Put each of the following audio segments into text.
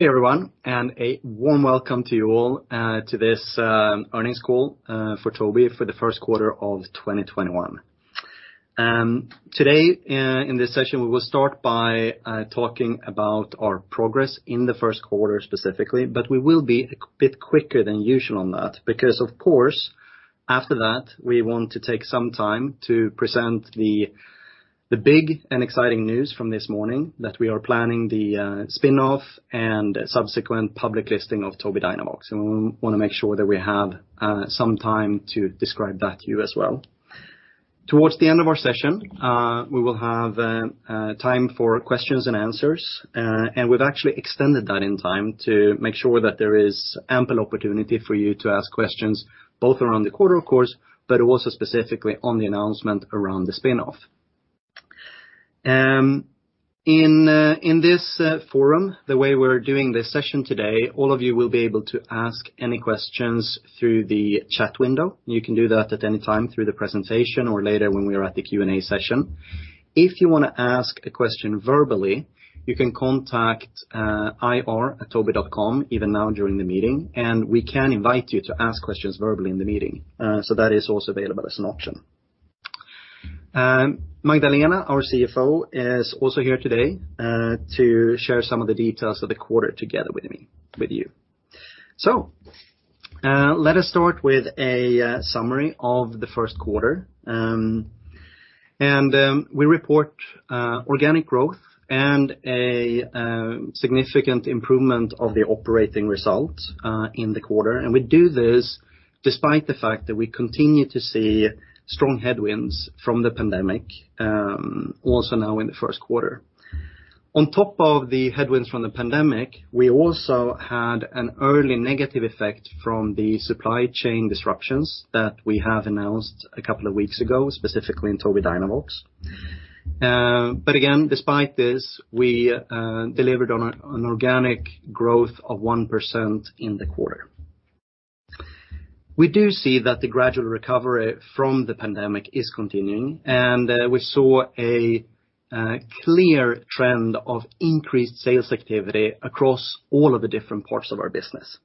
Hey everyone, a warm welcome to you all to this earnings call for Tobii for the first quarter of 2021. Today, in this session, we will start by talking about our progress in the first quarter specifically, but we will be a bit quicker than usual on that because, of course, after that, we want to take some time to present the big and exciting news from this morning that we are planning the spinoff and subsequent public listing of Tobii Dynavox, and we want to make sure that we have some time to describe that to you as well. Towards the end of our session, we will have time for questions and answers, and we've actually extended that in time to make sure that there is ample opportunity for you to ask questions both around the quarter, of course, but also specifically on the announcement around the spinoff. In this forum, the way we're doing this session today, all of you will be able to ask any questions through the chat window. You can do that at any time through the presentation or later when we are at the Q&A session. If you want to ask a question verbally, you can contact ir@tobii.com even now during the meeting, and we can invite you to ask questions verbally in the meeting. That is also available as an option. Magdalena, our CFO, is also here today to share some of the details of the quarter together with you. Let us start with a summary of the first quarter. We report organic growth and a significant improvement of the operating result in the quarter. We do this despite the fact that we continue to see strong headwinds from the pandemic, also now in the first quarter. On top of the headwinds from the pandemic, we also had an early negative effect from the supply chain disruptions that we have announced a couple of weeks ago, specifically in Tobii Dynavox. Despite this, we delivered on an organic growth of 1% in the quarter. We do see that the gradual recovery from the pandemic is continuing, and we saw a clear trend of increased sales activity across all of the different parts of our business.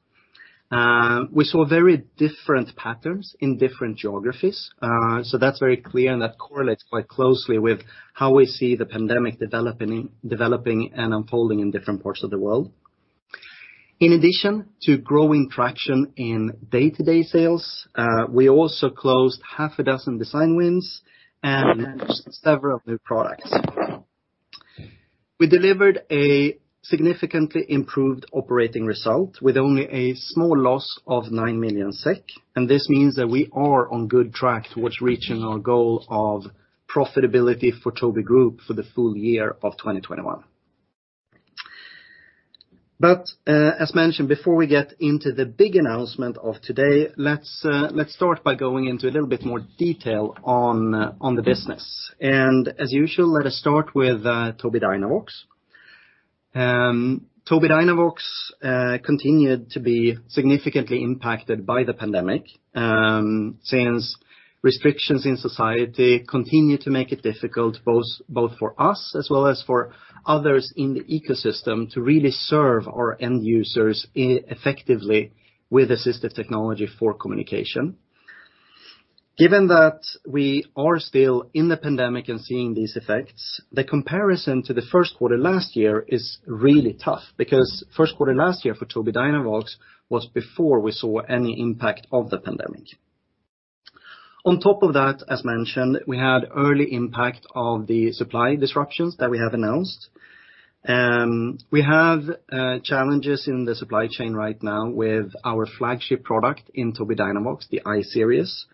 We saw very different patterns in different geographies. That's very clear and that correlates quite closely with how we see the pandemic developing and unfolding in different parts of the world. In addition to growing traction in day-to-day sales, we also closed half a dozen design wins and several new products. We delivered a significantly improved operating result with only a small loss of 9 million SEK. This means that we are on good track towards reaching our goal of profitability for Tobii Group for the full year of 2021. As mentioned, before we get into the big announcement of today, let's start by going into a little bit more detail on the business. As usual, let us start with Tobii Dynavox. Tobii Dynavox continued to be significantly impacted by the pandemic since restrictions in society continue to make it difficult both for us as well as for others in the ecosystem to really serve our end users effectively with assistive technology for communication. Given that we are still in the pandemic and seeing these effects, the comparison to the first quarter last year is really tough because first quarter last year for Tobii Dynavox was before we saw any impact of the pandemic. On top of that, as mentioned, we had early impact of the supply disruptions that we have announced. We have challenges in the supply chain right now with our flagship product in Tobii Dynavox, the I-Series.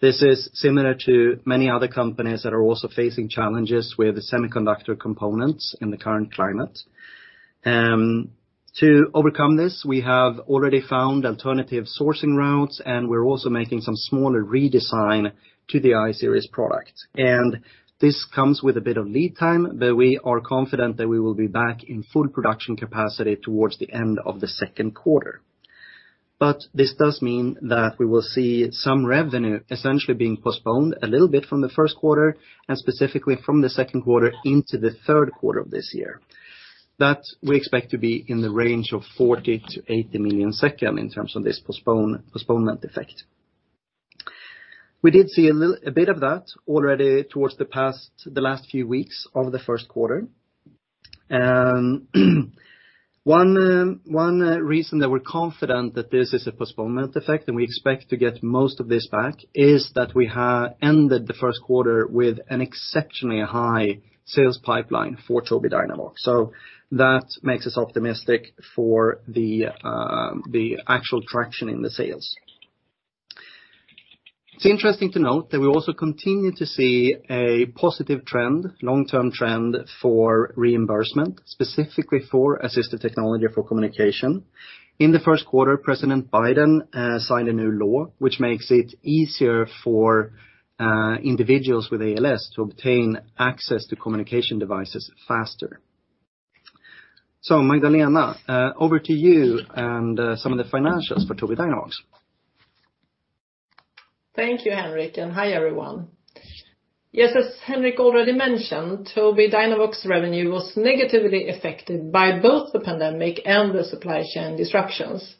This is similar to many other companies that are also facing challenges with the semiconductor components in the current climate. To overcome this, we have already found alternative sourcing routes, and we're also making some smaller redesign to the I-Series product. This comes with a bit of lead time, we are confident that we will be back in full production capacity towards the end of the second quarter. This does mean that we will see some revenue essentially being postponed a little bit from the first quarter and specifically from the second quarter into the third quarter of this year. That we expect to be in the range of 40 million-80 million in terms of this postponement effect. We did see a bit of that already towards the last few weeks of the first quarter. One reason that we're confident that this is a postponement effect, and we expect to get most of this back, is that we have ended the first quarter with an exceptionally high sales pipeline for Tobii Dynavox. That makes us optimistic for the actual traction in the sales. It's interesting to note that we also continue to see a positive trend, long-term trend for reimbursement, specifically for assistive technology for communication. In the first quarter, President Biden signed a new law which makes it easier for individuals with ALS to obtain access to communication devices faster. Magdalena, over to you and some of the financials for Tobii Dynavox Thank you, Henrik, and hi, everyone. Yes, as Henrik already mentioned, Tobii Dynavox revenue was negatively affected by both the pandemic and the supply chain disruptions.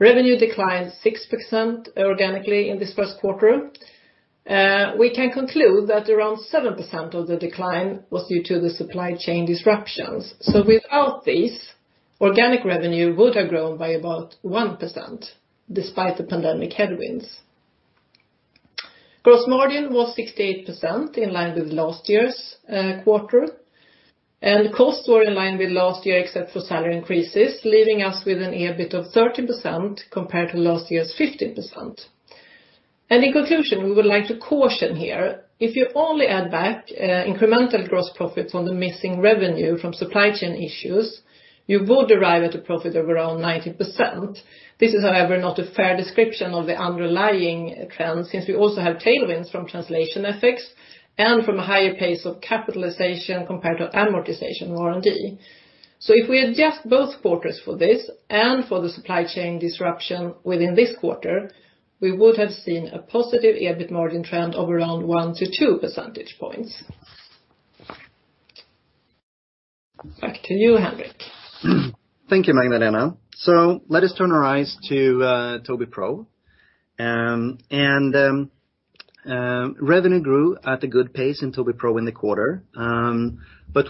Revenue declined 6% organically in this first quarter. We can conclude that around 7% of the decline was due to the supply chain disruptions. Without these, organic revenue would have grown by about 1%, despite the pandemic headwinds. Gross margin was 68%, in line with last year's quarter, and costs were in line with last year, except for salary increases, leaving us with an EBIT of 13% compared to last year's 15%. In conclusion, we would like to caution here, if you only add back incremental gross profits on the missing revenue from supply chain issues, you would arrive at a profit of around 19%. This is, however, not a fair description of the underlying trend, since we also have tailwinds from translation effects and from a higher pace of capitalization compared to amortization R&D. If we adjust both quarters for this and for the supply chain disruption within this quarter, we would have seen a positive EBIT margin trend of around 1-2 percentage points. Back to you, Henrik. Thank you, Magdalena. Let us turn our eyes to Tobii Pro. Revenue grew at a good pace in Tobii Pro in the quarter.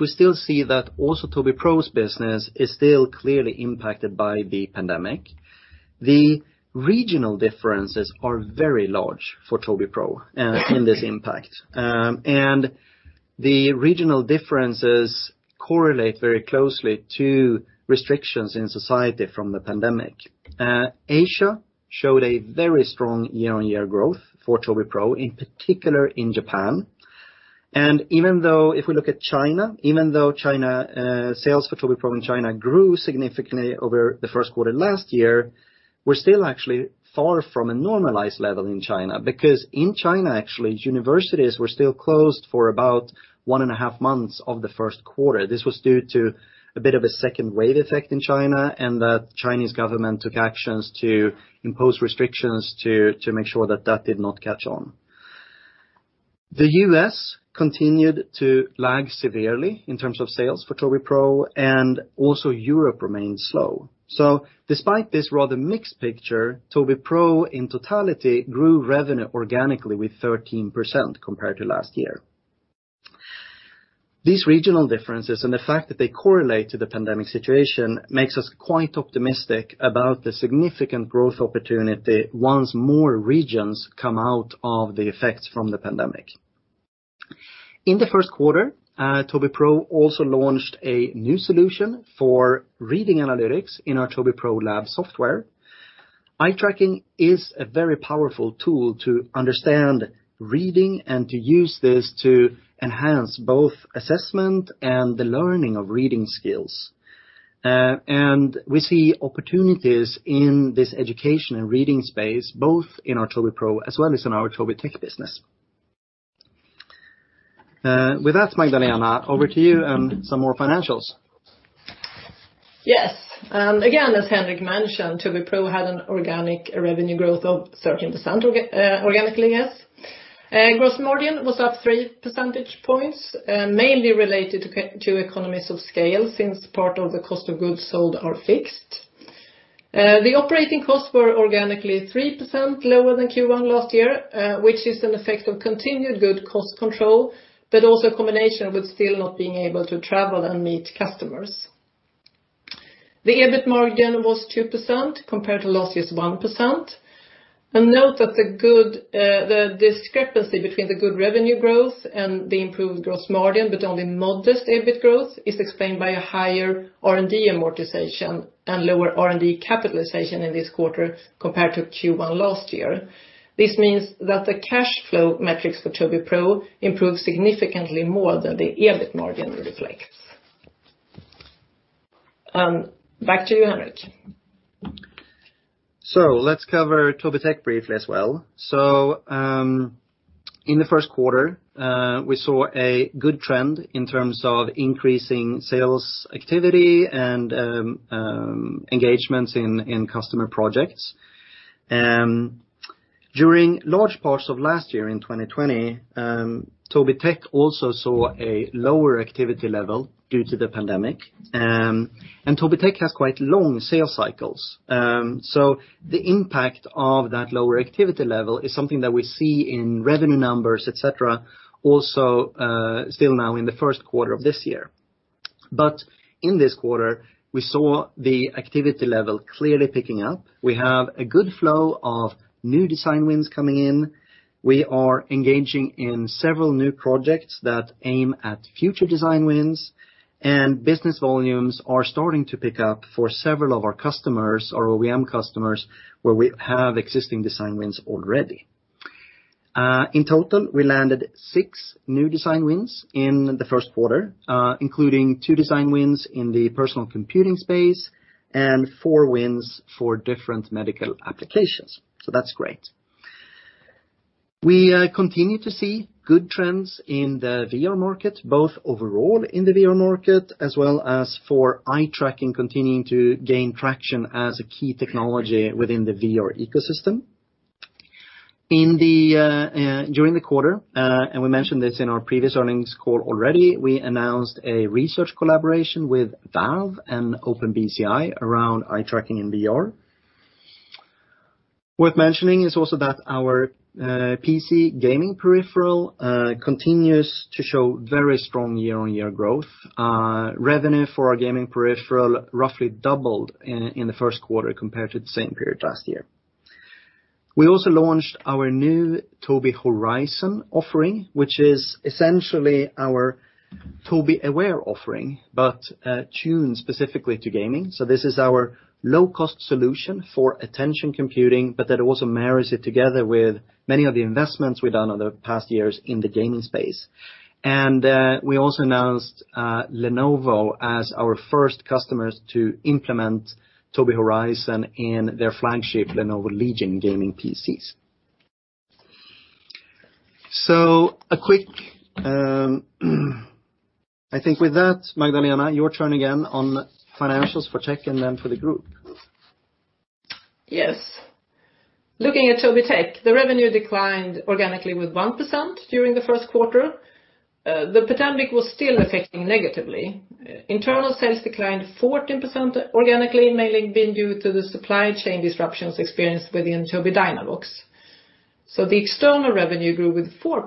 We still see that also Tobii Pro's business is still clearly impacted by the pandemic. The regional differences are very large for Tobii Pro in this impact. The regional differences correlate very closely to restrictions in society from the pandemic. Asia showed a very strong year-on-year growth for Tobii Pro, in particular in Japan. Even though if we look at China, even though sales for Tobii Pro in China grew significantly over the first quarter last year, we're still actually far from a normalized level in China, because in China, actually, universities were still closed for about one and a half months of the first quarter. This was due to a bit of a second wave effect in China, and the Chinese government took actions to impose restrictions to make sure that that did not catch on. The U.S. continued to lag severely in terms of sales for Tobii Pro, and also Europe remained slow. Despite this rather mixed picture, Tobii Pro in totality grew revenue organically with 13% compared to last year. These regional differences and the fact that they correlate to the pandemic situation makes us quite optimistic about the significant growth opportunity once more regions come out of the effects from the pandemic. In the first quarter, Tobii Pro also launched a new solution for reading analytics in our Tobii Pro Lab software. Eye-tracking is a very powerful tool to understand reading and to use this to enhance both assessment and the learning of reading skills. We see opportunities in this education and reading space, both in our Tobii Pro as well as in our Tobii Tech business. With that, Magdalena, over to you and some more financials. Yes. Again, as Henrik mentioned, Tobii Pro had an organic revenue growth of 13% organically. Yes. Gross margin was up three percentage points, mainly related to economies of scale since part of the cost of goods sold are fixed. The operating costs were organically 3% lower than Q1 last year, which is an effect of continued good cost control, but also a combination of it still not being able to travel and meet customers. The EBIT margin was 2% compared to last year's 1%. Note that the discrepancy between the good revenue growth and the improved gross margin, but only modest EBIT growth is explained by a higher R&D amortization and lower R&D capitalization in this quarter compared to Q1 last year. This means that the cash flow metrics for Tobii Pro improved significantly more than the EBIT margin reflects. Back to you, Henrik. Let's cover Tobii Tech briefly as well. In the first quarter, we saw a good trend in terms of increasing sales activity and engagements in customer projects. During large parts of last year in 2020, Tobii Tech also saw a lower activity level due to the pandemic. Tobii Tech has quite long sales cycles. The impact of that lower activity level is something that we see in revenue numbers, etc., also still now in the first quarter of this year. In this quarter, we saw the activity level clearly picking up. We have a good flow of new design wins coming in. We are engaging in several new projects that aim at future design wins, and business volumes are starting to pick up for several of our customers or OEM customers where we have existing design wins already. In total, we landed six new design wins in the first quarter, including two design wins in the personal computing space and four wins for different medical applications. That's great. We continue to see good trends in the VR market, both overall in the VR market as well as for eye-tracking continuing to gain traction as a key technology within the VR ecosystem. During the quarter, and we mentioned this in our previous earnings call already, we announced a research collaboration with Valve and OpenBCI around eye-tracking in VR. Worth mentioning is also that our PC gaming peripheral continues to show very strong year-on-year growth. Revenue for our gaming peripheral roughly doubled in the first quarter compared to the same period last year. We also launched our new Tobii Horizon offering, which is essentially our Tobii Aware offering, but tuned specifically to gaming. This is our low-cost solution for attention computing, but that also marries it together with many of the investments we've done over the past years in the gaming space. We also announced Lenovo as our first customers to implement Tobii Horizon in their flagship Lenovo Legion gaming PCs. A quick, I think with that, Magdalena, your turn again on financials for Tech and then for the group. Yes. Looking at Tobii Tech, the revenue declined organically with 1% during the first quarter. The pandemic was still affecting negatively. Internal sales declined 14% organically, mainly been due to the supply chain disruptions experienced within Tobii Dynavox. The external revenue grew with 4%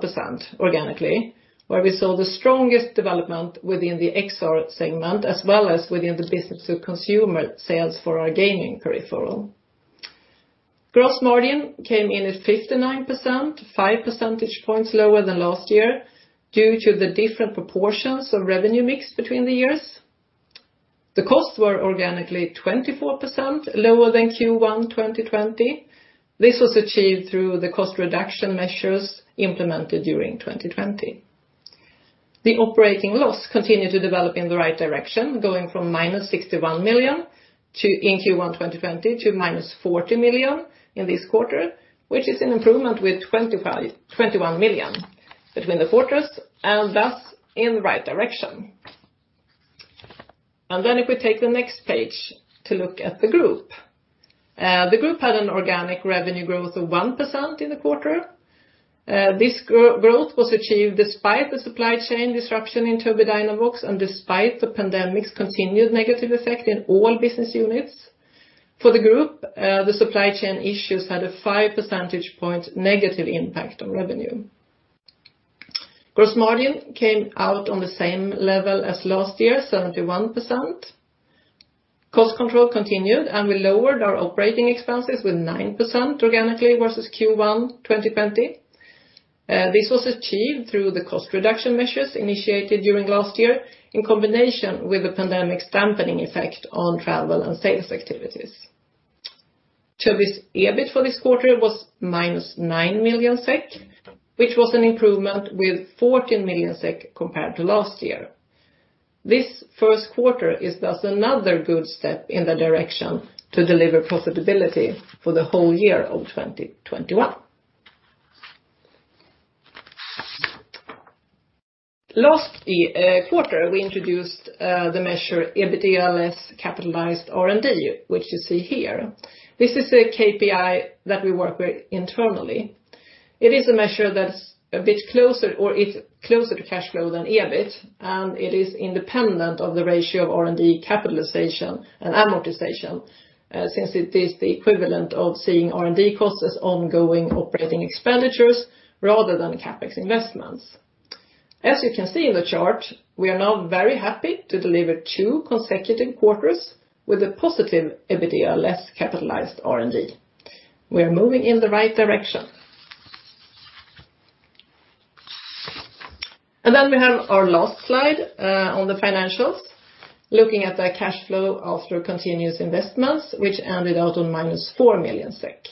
organically, where we saw the strongest development within the XR segment, as well as within the business-to-consumer sales for our gaming peripheral. Gross margin came in at 59%, 5 percentage points lower than last year due to the different proportions of revenue mix between the years. The costs were organically 24% lower than Q1 2020. This was achieved through the cost reduction measures implemented during 2020. The operating loss continued to develop in the right direction, going from -61 million in Q1 2020 to -40 million in this quarter, which is an improvement with 21 million between the quarters and thus in the right direction. If we take the next page to look at the group. The group had an organic revenue growth of 1% in the quarter. This growth was achieved despite the supply chain disruption in Tobii Dynavox and despite the pandemic's continued negative effect in all business units. For the group, the supply chain issues had a 5 percentage point negative impact on revenue. Gross margin came out on the same level as last year, 71%. Cost control continued, and we lowered our operating expenses with 9% organically versus Q1 2020. This was achieved through the cost reduction measures initiated during last year, in combination with the pandemic dampening effect on travel and sales activities. Tobii's EBIT for this quarter was -9 million SEK, which was an improvement with 14 million SEK compared to last year. This first quarter is thus another good step in the direction to deliver profitability for the whole year of 2021. Last quarter, we introduced the measure EBITDA less capitalized R&D, which you see here. This is a KPI that we work with internally. It is a measure that's a bit closer, or it's closer to cash flow than EBIT, and it is independent of the ratio of R&D capitalization and amortization, since it is the equivalent of seeing R&D costs as ongoing OpEx rather than CapEx investments. As you can see in the chart, we are now very happy to deliver two consecutive quarters with a positive EBITDA less capitalized R&D. We are moving in the right direction. Then we have our last slide on the financials, looking at the cash flow after continuous investments, which ended out on -4 million SEK.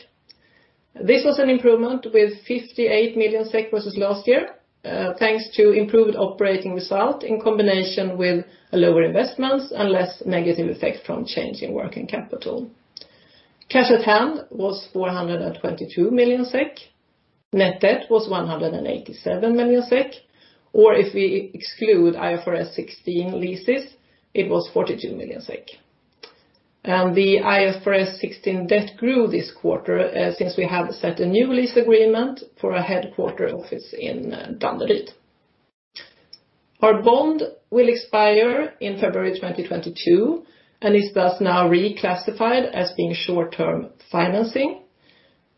This was an improvement with 58 million SEK versus last year, thanks to improved operating result in combination with lower investments and less negative effect from change in working capital. Cash at hand was 422 million SEK. Net debt was 187 million SEK, or if we exclude IFRS 16 Leases, it was 42 million SEK. The IFRS 16 debt grew this quarter, since we have set a new lease agreement for our headquarter office in Danderyd. Our bond will expire in February 2022 and is thus now reclassified as being short-term financing.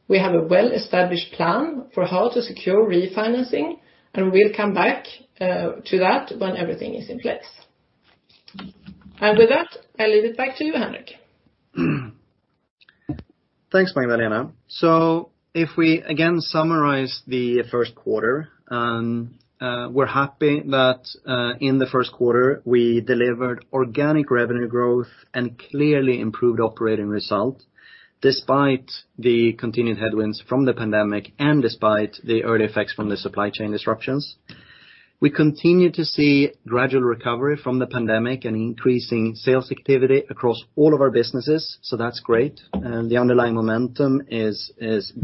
We have a well-established plan for how to secure refinancing, and we will come back to that when everything is in place. With that, I leave it back to you, Henrik. Thanks, Magdalena. If we again summarize the first quarter, we're happy that in the first quarter, we delivered organic revenue growth and clearly improved operating result despite the continued headwinds from the pandemic and despite the early effects from the supply chain disruptions. We continue to see gradual recovery from the pandemic and increasing sales activity across all of our businesses, so that's great. The underlying momentum is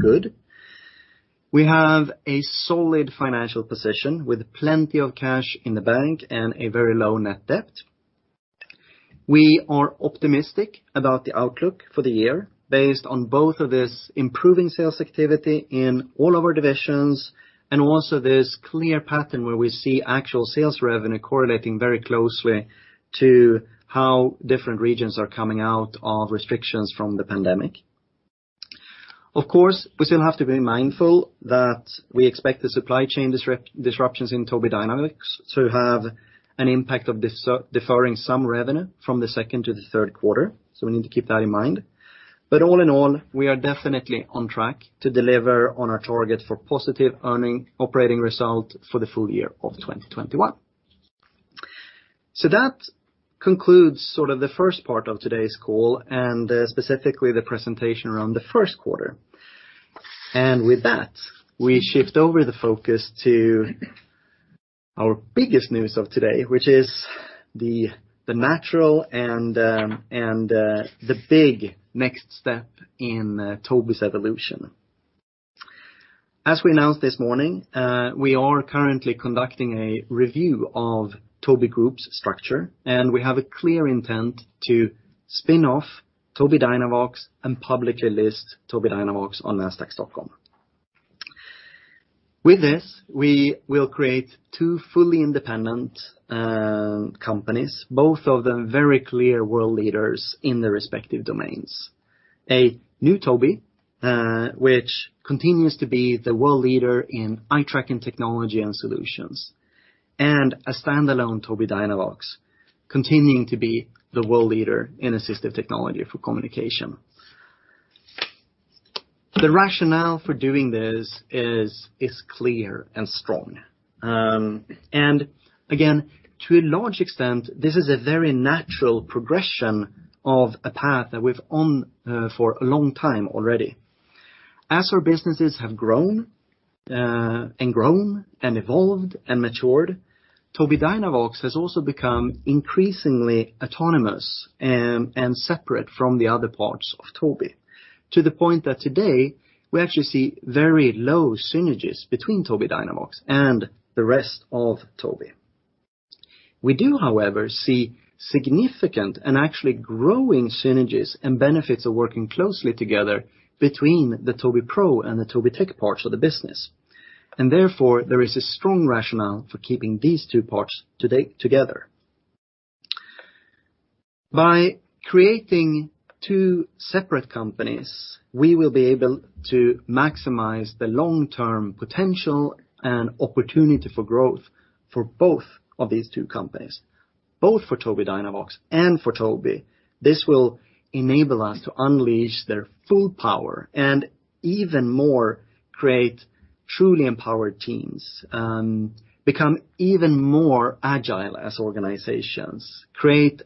good. We have a solid financial position with plenty of cash in the bank and a very low net debt. We are optimistic about the outlook for the year based on both of this improving sales activity in all of our divisions and also this clear pattern where we see actual sales revenue correlating very closely to how different regions are coming out of restrictions from the pandemic. Of course, we still have to be mindful that we expect the supply chain disruptions in Tobii Dynavox to have an impact of deferring some revenue from the second to the third quarter, so we need to keep that in mind. All in all, we are definitely on track to deliver on our target for positive earning operating result for the full year of 2021. That concludes sort of the first part of today's call and specifically the presentation around the first quarter. With that, we shift over the focus to our biggest news of today, which is the natural and the big next step in Tobii's evolution. As we announced this morning, we are currently conducting a review of Tobii Group's structure, and we have a clear intent to spin off Tobii Dynavox and publicly list Tobii Dynavox on Nasdaq Stockholm. With this, we will create two fully independent companies, both of them very clear world leaders in their respective domains. A new Tobii, which continues to be the world leader in eye-tracking technology and solutions, and a standalone Tobii Dynavox continuing to be the world leader in assistive technology for communication. The rationale for doing this is clear and strong. Again, to a large extent, this is a very natural progression of a path that we've on for a long time already. As our businesses have grown and evolved and matured, Tobii Dynavox has also become increasingly autonomous and separate from the other parts of Tobii. To the point that today we actually see very low synergies between Tobii Dynavox and the rest of Tobii. We do, however, see significant and actually growing synergies and benefits of working closely together between the Tobii Pro and the Tobii Tech parts of the business. Therefore, there is a strong rationale for keeping these two parts together. By creating two separate companies, we will be able to maximize the long-term potential and opportunity for growth for both of these two companies, both for Tobii Dynavox and for Tobii. This will enable us to unleash their full power and even more, create truly empowered teams, become even more agile as organizations, create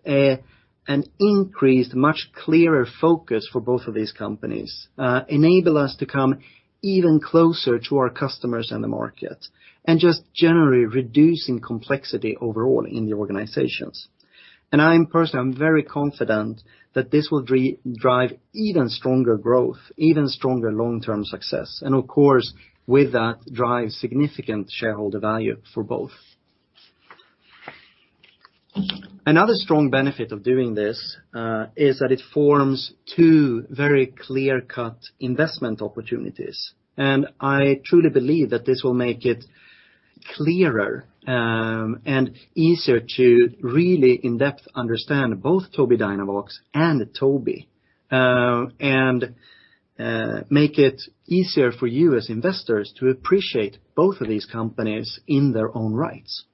an increased, much clearer focus for both of these companies, enable us to come even closer to our customers and the market, and just generally reducing complexity overall in the organizations. I personally am very confident that this will drive even stronger growth, even stronger long-term success, and of course, with that, drive significant shareholder value for both. Another strong benefit of doing this, is that it forms two very clear-cut investment opportunities, and I truly believe that this will make it clearer and easier to really in-depth understand both Tobii Dynavox and Tobii, and make it easier for you as investors to appreciate both of these companies in their own rights.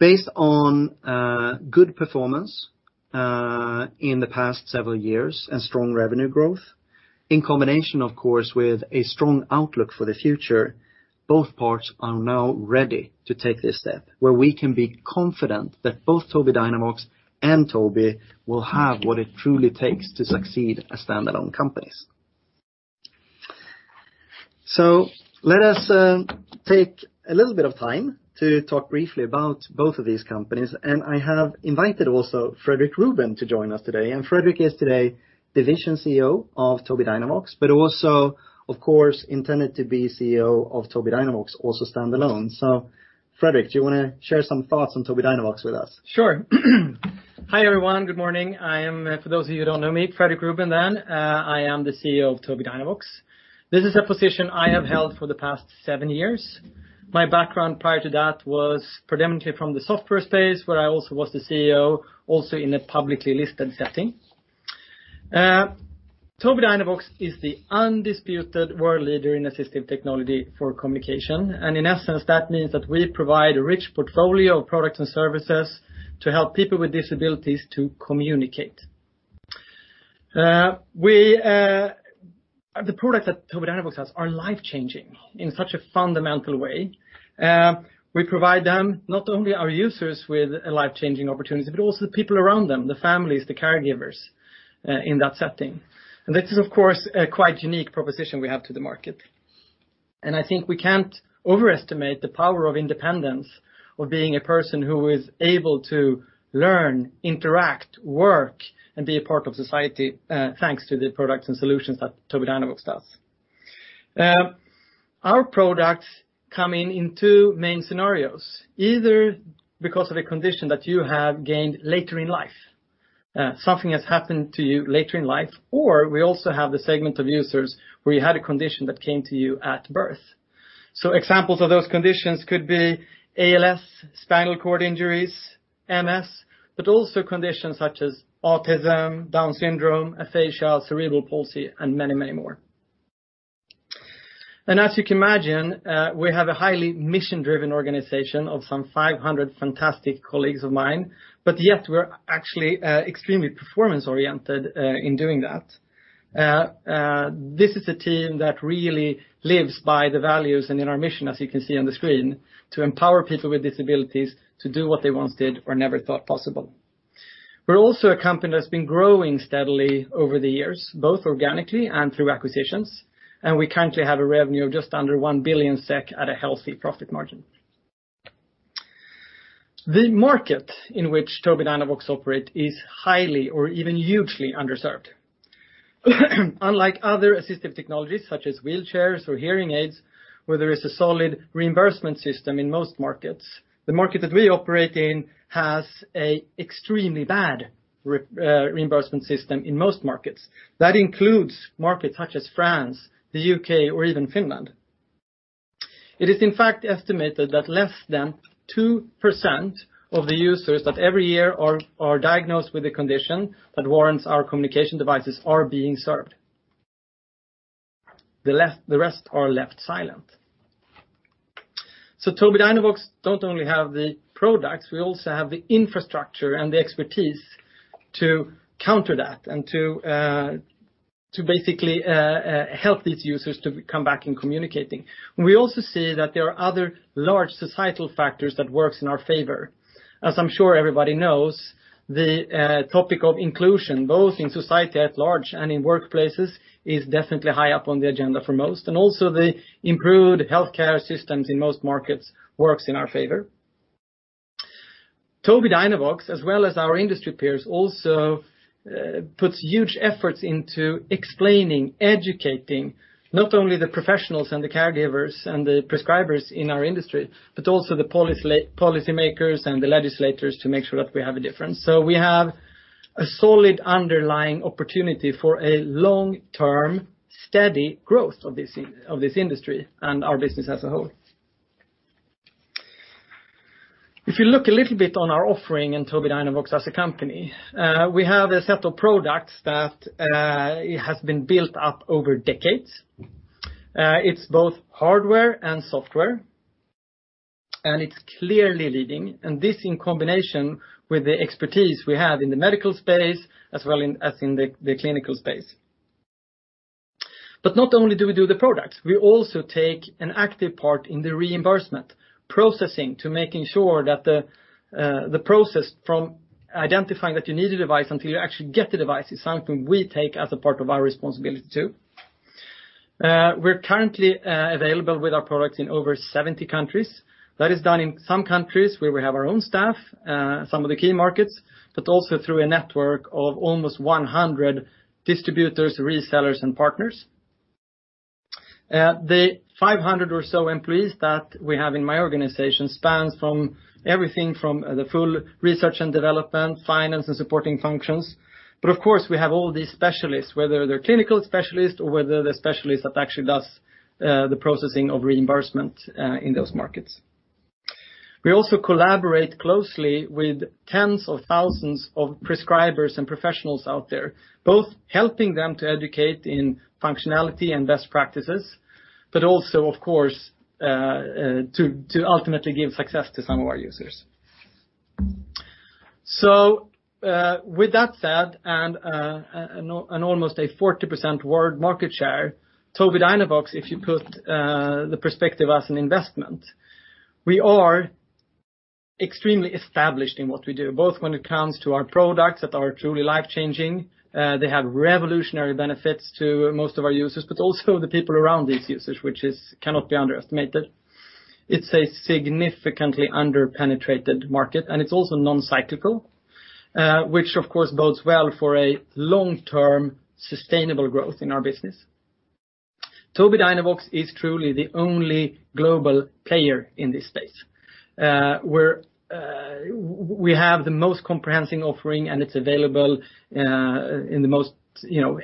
Based on good performance in the past several years and strong revenue growth, in combination of course, with a strong outlook for the future, both parts are now ready to take this step where we can be confident that both Tobii Dynavox and Tobii will have what it truly takes to succeed as standalone companies. Let us take a little bit of time to talk briefly about both of these companies, and I have invited also Fredrik Ruben to join us today, and Fredrik is today Division CEO of Tobii Dynavox, but also of course, intended to be CEO of Tobii Dynavox, also standalone. Fredrik, do you want to share some thoughts on Tobii Dynavox with us? Sure. Hi, everyone. Good morning. I am, for those of you who don't know me, Fredrik Ruben. I am the CEO of Tobii Dynavox. This is a position I have held for the past seven years. My background prior to that was predominantly from the software space, where I also was the CEO, also in a publicly listed setting. Tobii Dynavox is the undisputed world leader in assistive technology for communication. In essence, that means that we provide a rich portfolio of products and services to help people with disabilities to communicate. The products that Tobii Dynavox has are life-changing in such a fundamental way. We provide them, not only our users with a life-changing opportunity, but also the people around them, the families, the caregivers, in that setting. This is, of course, a quite unique proposition we have to the market. I think we can't overestimate the power of independence, of being a person who is able to learn, interact, work, and be a part of society, thanks to the products and solutions that Tobii Dynavox does. Our products come in in two main scenarios, either because of a condition that you have gained later in life, something has happened to you later in life, or we also have the segment of users where you had a condition that came to you at birth. Examples of those conditions could be ALS, spinal cord injuries, MS, but also conditions such as autism, Down syndrome, aphasia, cerebral palsy, and many more. As you can imagine, we have a highly mission-driven organization of some 500 fantastic colleagues of mine, but yet we're actually extremely performance-oriented, in doing that. This is a team that really lives by the values and in our mission, as you can see on the screen, to empower people with disabilities to do what they once did or never thought possible. We're also a company that's been growing steadily over the years, both organically and through acquisitions, and we currently have a revenue of just under 1 billion SEK at a healthy profit margin. The market in which Tobii Dynavox operate is highly or even hugely underserved. Unlike other assistive technologies such as wheelchairs or hearing aids, where there is a solid reimbursement system in most markets, the market that we operate in has a extremely bad reimbursement system in most markets. That includes markets such as France, the U.K., or even Finland. It is in fact estimated that less than 2% of the users that every year are diagnosed with a condition that warrants our communication devices are being served. The rest are left silent. Tobii Dynavox don't only have the products, we also have the infrastructure and the expertise to counter that and to basically help these users to come back in communicating. We also see that there are other large societal factors that works in our favor. As I'm sure everybody knows, the topic of inclusion, both in society at large and in workplaces, is definitely high up on the agenda for most. Also the improved healthcare systems in most markets works in our favor. Tobii Dynavox, as well as our industry peers, also puts huge efforts into explaining, educating not only the professionals and the caregivers and the prescribers in our industry, but also the policymakers and the legislators to make sure that we have a difference. We have a solid underlying opportunity for a long-term, steady growth of this industry and our business as a whole. If you look a little bit on our offering in Tobii Dynavox as a company, we have a set of products that has been built up over decades. It's both hardware and software, and it's clearly leading, and this in combination with the expertise we have in the medical space as well as in the clinical space. Not only do we do the products, we also take an active part in the reimbursement processing to making sure that the process from identifying that you need a device until you actually get the device is something we take as a part of our responsibility, too. We're currently available with our products in over 70 countries. That is done in some countries where we have our own staff, some of the key markets, but also through a network of almost 100 distributors, resellers, and partners. The 500 or so employees that we have in my organization spans from everything from the full research and development, finance and supporting functions. Of course, we have all these specialists, whether they're clinical specialists or whether they're specialists that actually does the processing of reimbursement, in those markets. We also collaborate closely with tens of thousands of prescribers and professionals out there, both helping them to educate in functionality and best practices, but also, of course, to ultimately give success to some of our users. With that said, and almost a 40% world market share, Tobii Dynavox, if you put the perspective as an investment, we are extremely established in what we do, both when it comes to our products that are truly life-changing. They have revolutionary benefits to most of our users, but also the people around these users, which cannot be underestimated. It's a significantly under-penetrated market, and it's also non-cyclical, which of course bodes well for a long-term sustainable growth in our business. Tobii Dynavox is truly the only global player in this space. We have the most comprehensive offering, and it's available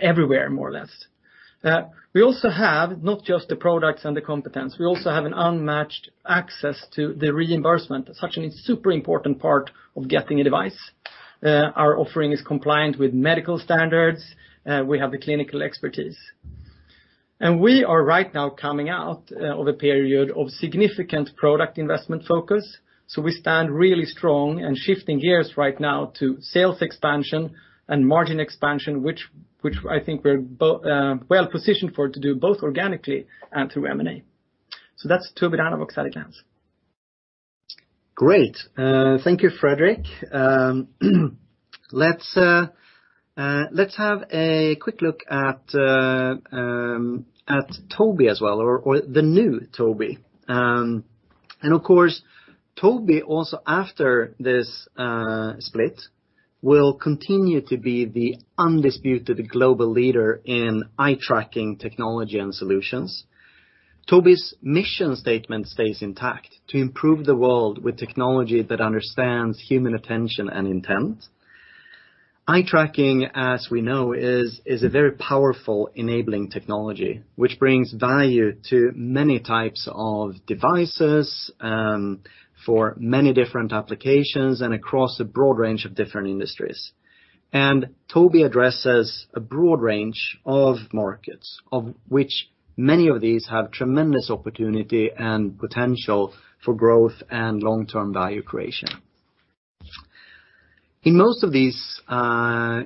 everywhere, more or less. We also have not just the products and the competence, we also have an unmatched access to the reimbursement. That's actually a super important part of getting a device. Our offering is compliant with medical standards. We have the clinical expertise. We are right now coming out of a period of significant product investment focus. We stand really strong and shifting gears right now to sales expansion and margin expansion, which I think we're well-positioned for to do both organically and through M&A. That's Tobii Dynavox at a glance. Great. Thank you, Fredrik. Let's have a quick look at Tobii as well, or the new Tobii. Of course, Tobii also after this split, will continue to be the undisputed global leader in eye-tracking technology and solutions. Tobii's mission statement stays intact: to improve the world with technology that understands human attention and intent. Eye-tracking, as we know, is a very powerful enabling technology, which brings value to many types of devices, for many different applications and across a broad range of different industries. Tobii addresses a broad range of markets, of which many of these have tremendous opportunity and potential for growth and long-term value creation. In most of these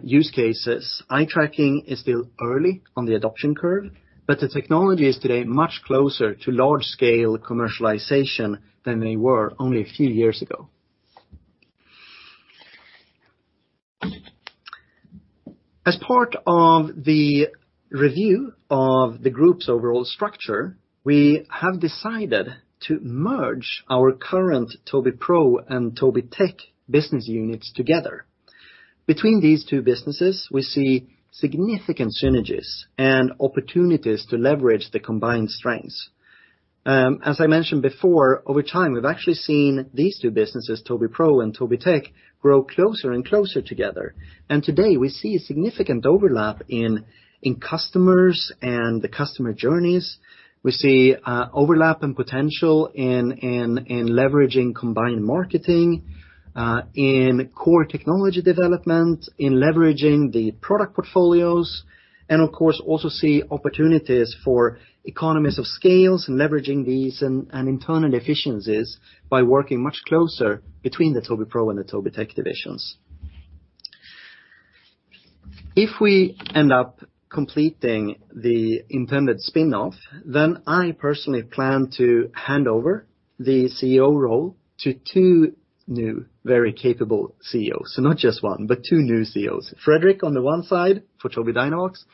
use cases, eye-tracking is still early on the adoption curve, but the technology is today much closer to large-scale commercialization than they were only a few years ago. As part of the review of the group's overall structure, we have decided to merge our current Tobii Pro and Tobii Tech business units together. Between these two businesses, we see significant synergies and opportunities to leverage the combined strengths. As I mentioned before, over time, we've actually seen these two businesses, Tobii Pro and Tobii Tech, grow closer and closer together. Today, we see a significant overlap in customers and the customer journeys. We see overlap and potential in leveraging combined marketing, in core technology development, in leveraging the product portfolios, and of course, also see opportunities for economies of scales and leveraging these and internal efficiencies by working much closer between the Tobii Pro and the Tobii Tech divisions. If we end up completing the intended spin-off, then I personally plan to hand over the CEO role to two new, very capable CEOs. Not just one, but two new CEOs. Fredrik on the one side for Tobii Dynavox,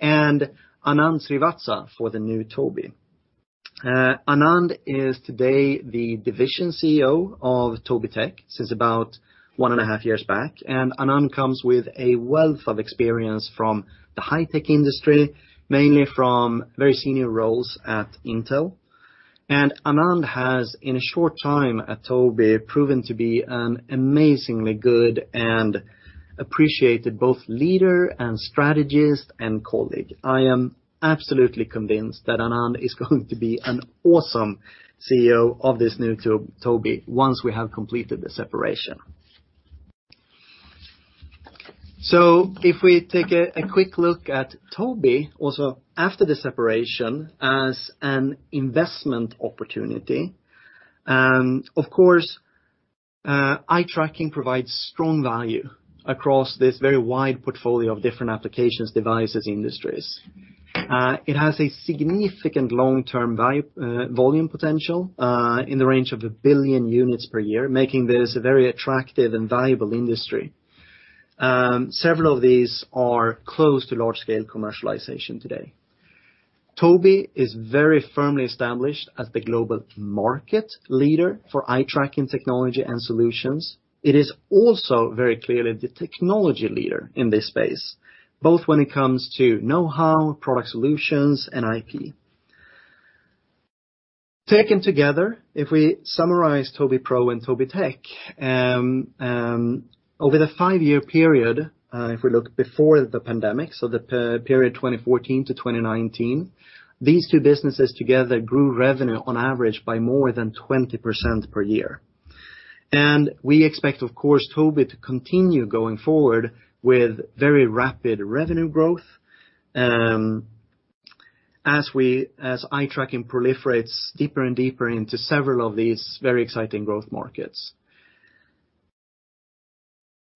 and Anand Srivatsa for the new Tobii. Anand is today the division CEO of Tobii Tech since about one and a half years back. Anand comes with a wealth of experience from the high-tech industry, mainly from very senior roles at Intel. Anand has, in a short time at Tobii, proven to be an amazingly good and appreciated both leader and strategist and colleague. I am absolutely convinced that Anand is going to be an awesome CEO of this new Tobii, once we have completed the separation. If we take a quick look at Tobii, also after the separation, as an investment opportunity, of course, eye-tracking provides strong value across this very wide portfolio of different applications, devices, industries. It has a significant long-term volume potential in the range of a billion units per year, making this a very attractive and valuable industry. Several of these are close to large-scale commercialization today. Tobii is very firmly established as the global market leader for eye-tracking technology and solutions. It is also very clearly the technology leader in this space, both when it comes to know-how, product solutions, and IP. Taken together, if we summarize Tobii Pro and Tobii Tech, over the five-year period, if we look before the pandemic, so the period 2014 to 2019, these two businesses together grew revenue on average by more than 20% per year. We expect, of course, Tobii to continue going forward with very rapid revenue growth as eye-tracking proliferates deeper and deeper into several of these very exciting growth markets.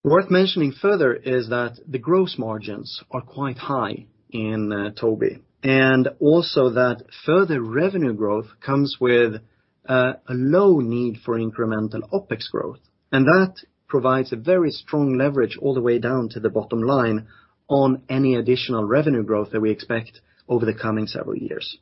Worth mentioning further is that the gross margins are quite high in Tobii, also that further revenue growth comes with a low need for incremental OpEx growth. That provides a very strong leverage all the way down to the bottom line on any additional revenue growth that we expect over the coming several years.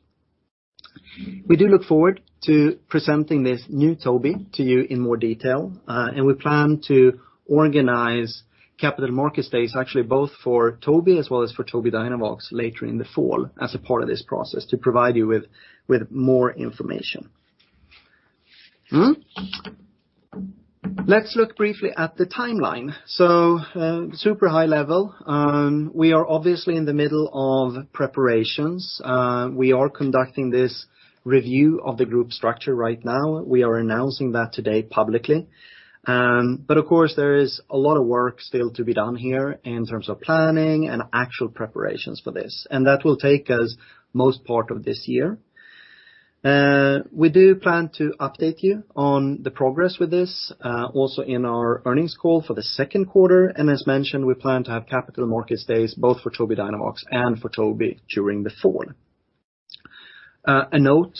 We do look forward to presenting this new Tobii to you in more detail, we plan to organize capital market days, actually both for Tobii as well as for Tobii Dynavox later in the fall as a part of this process to provide you with more information. Let's look briefly at the timeline. Super high level. We are obviously in the middle of preparations. We are conducting this review of the group structure right now. We are announcing that today publicly. Of course, there is a lot of work still to be done here in terms of planning and actual preparations for this. That will take us most part of this year. We do plan to update you on the progress with this, also in our earnings call for the second quarter. As mentioned, we plan to have capital markets days both for Tobii Dynavox and for Tobii during the fall. A note,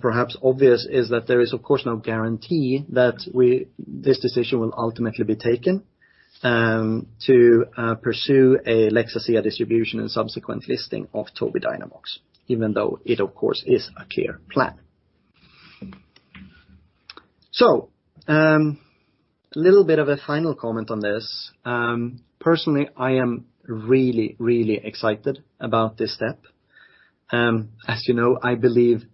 perhaps obvious, is that there is of course no guarantee that this decision will ultimately be taken to pursue a Lex Asea distribution and subsequent listing of Tobii Dynavox, even though it, of course, is a clear plan. A little bit of a final comment on this. Personally, I am really excited about this step. As you know, I believe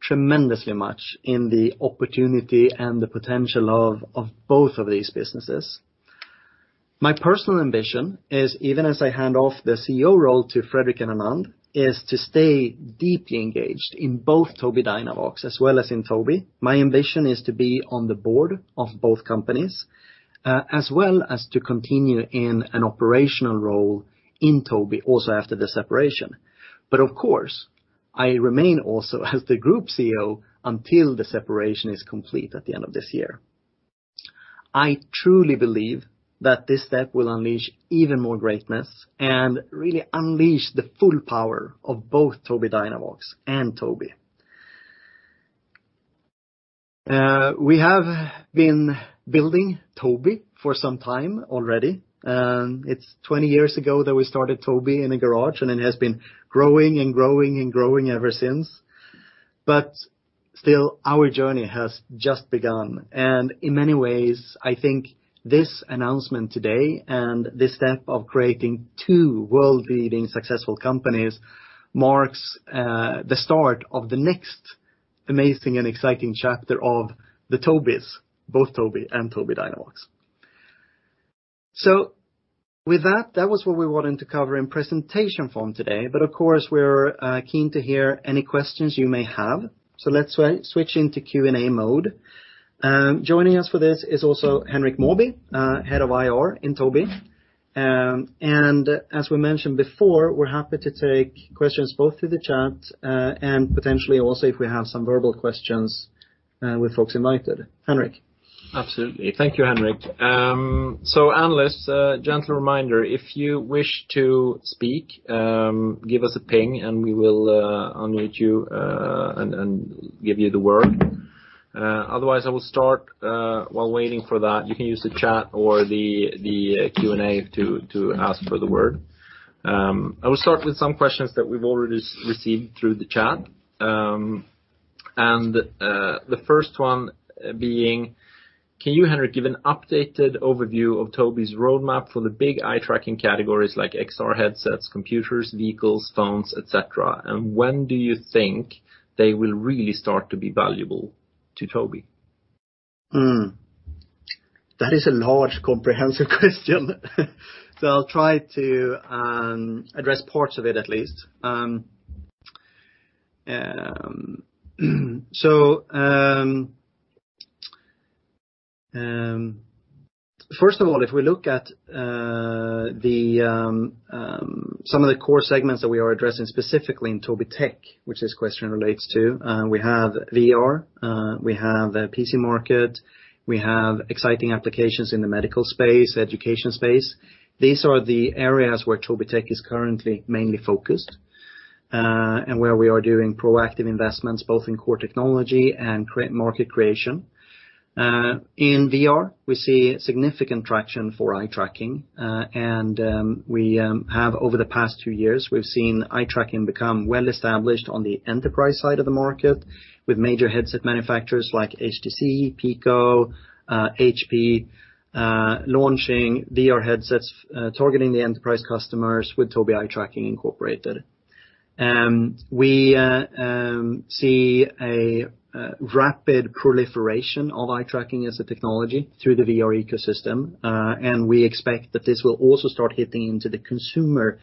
tremendously much in the opportunity and the potential of both of these businesses. My personal ambition is, even as I hand off the CEO role to Fredrik and Anand, is to stay deeply engaged in both Tobii Dynavox as well as in Tobii. My ambition is to be on the board of both companies, as well as to continue in an operational role in Tobii also after the separation. Of course, I remain also as the Group CEO until the separation is complete at the end of this year. I truly believe that this step will unleash even more greatness and really unleash the full power of both Tobii Dynavox and Tobii. We have been building Tobii for some time already. It's 20 years ago that we started Tobii in a garage, and it has been growing ever since. Still, our journey has just begun, and in many ways, I think this announcement today and this step of creating two world-leading successful companies marks the start of the next amazing and exciting chapter of the Tobii's, both Tobii and Tobii Dynavox. With that was what we wanted to cover in presentation form today. Of course, we're keen to hear any questions you may have. Let's switch into Q&A mode. Joining us for this is also Henrik Mawby, Head of IR in Tobii. As we mentioned before, we're happy to take questions both through the chat, and potentially also if we have some verbal questions, with folks invited. Henrik? Absolutely. Thank you, Henrik. Analysts, a gentle reminder, if you wish to speak, give us a ping and we will unmute you, and give you the word. Otherwise, I will start. While waiting for that, you can use the chat or the Q&A to ask for the word. I will start with some questions that we've already received through the chat. The first one being, can you, Henrik, give an updated overview of Tobii's roadmap for the big eye-tracking categories like XR headsets, computers, vehicles, phones, etc.? When do you think they will really start to be valuable to Tobii? That is a large, comprehensive question. I'll try to address parts of it at least. First of all, if we look at some of the core segments that we are addressing specifically in Tobii Tech, which this question relates to, we have VR, we have PC market, we have exciting applications in the medical space, education space. These are the areas where Tobii Tech is currently mainly focused, and where we are doing proactive investments both in core technology and market creation. In VR, we see significant traction for eye-tracking. We have over the past few years, we've seen eye-tracking become well-established on the enterprise side of the market with major headset manufacturers like HTC, Pico, HP, launching VR headsets targeting the enterprise customers with Tobii eye-tracking incorporated. We see a rapid proliferation of eye-tracking as a technology through the VR ecosystem, and we expect that this will also start hitting into the consumer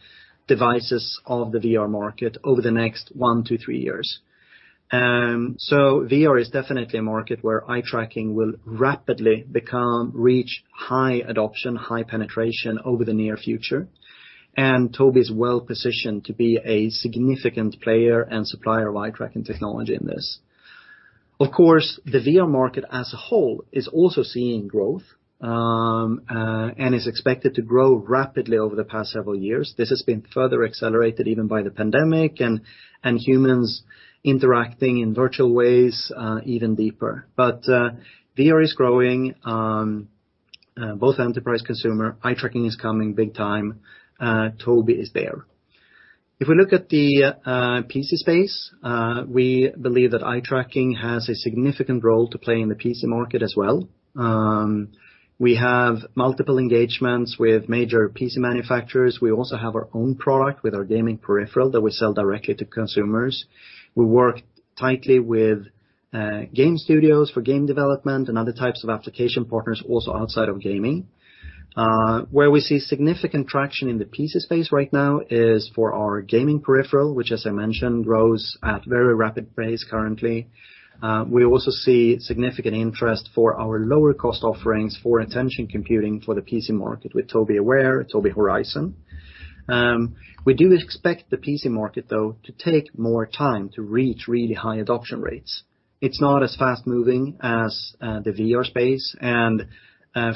devices of the VR market over the next one to three years. VR is definitely a market where eye-tracking will rapidly reach high adoption, high penetration over the near future, and Tobii is well-positioned to be a significant player and supplier of eye-tracking technology in this. Of course, the VR market as a whole is also seeing growth, and is expected to grow rapidly over the past several years. This has been further accelerated even by the pandemic and humans interacting in virtual ways even deeper. VR is growing, both enterprise consumer. Eye-tracking is coming big time. Tobii is there. If we look at the PC space, we believe that eye-tracking has a significant role to play in the PC market as well. We have multiple engagements with major PC manufacturers. We also have our own product with our gaming peripheral that we sell directly to consumers. We work tightly with game studios for game development and other types of application partners also outside of gaming. Where we see significant traction in the PC space right now is for our gaming peripheral, which as I mentioned, grows at very rapid pace currently. We also see significant interest for our lower cost offerings for attention computing for the PC market with Tobii Aware, Tobii Horizon. We do expect the PC market, though, to take more time to reach really high adoption rates. It's not as fast-moving as the VR space, and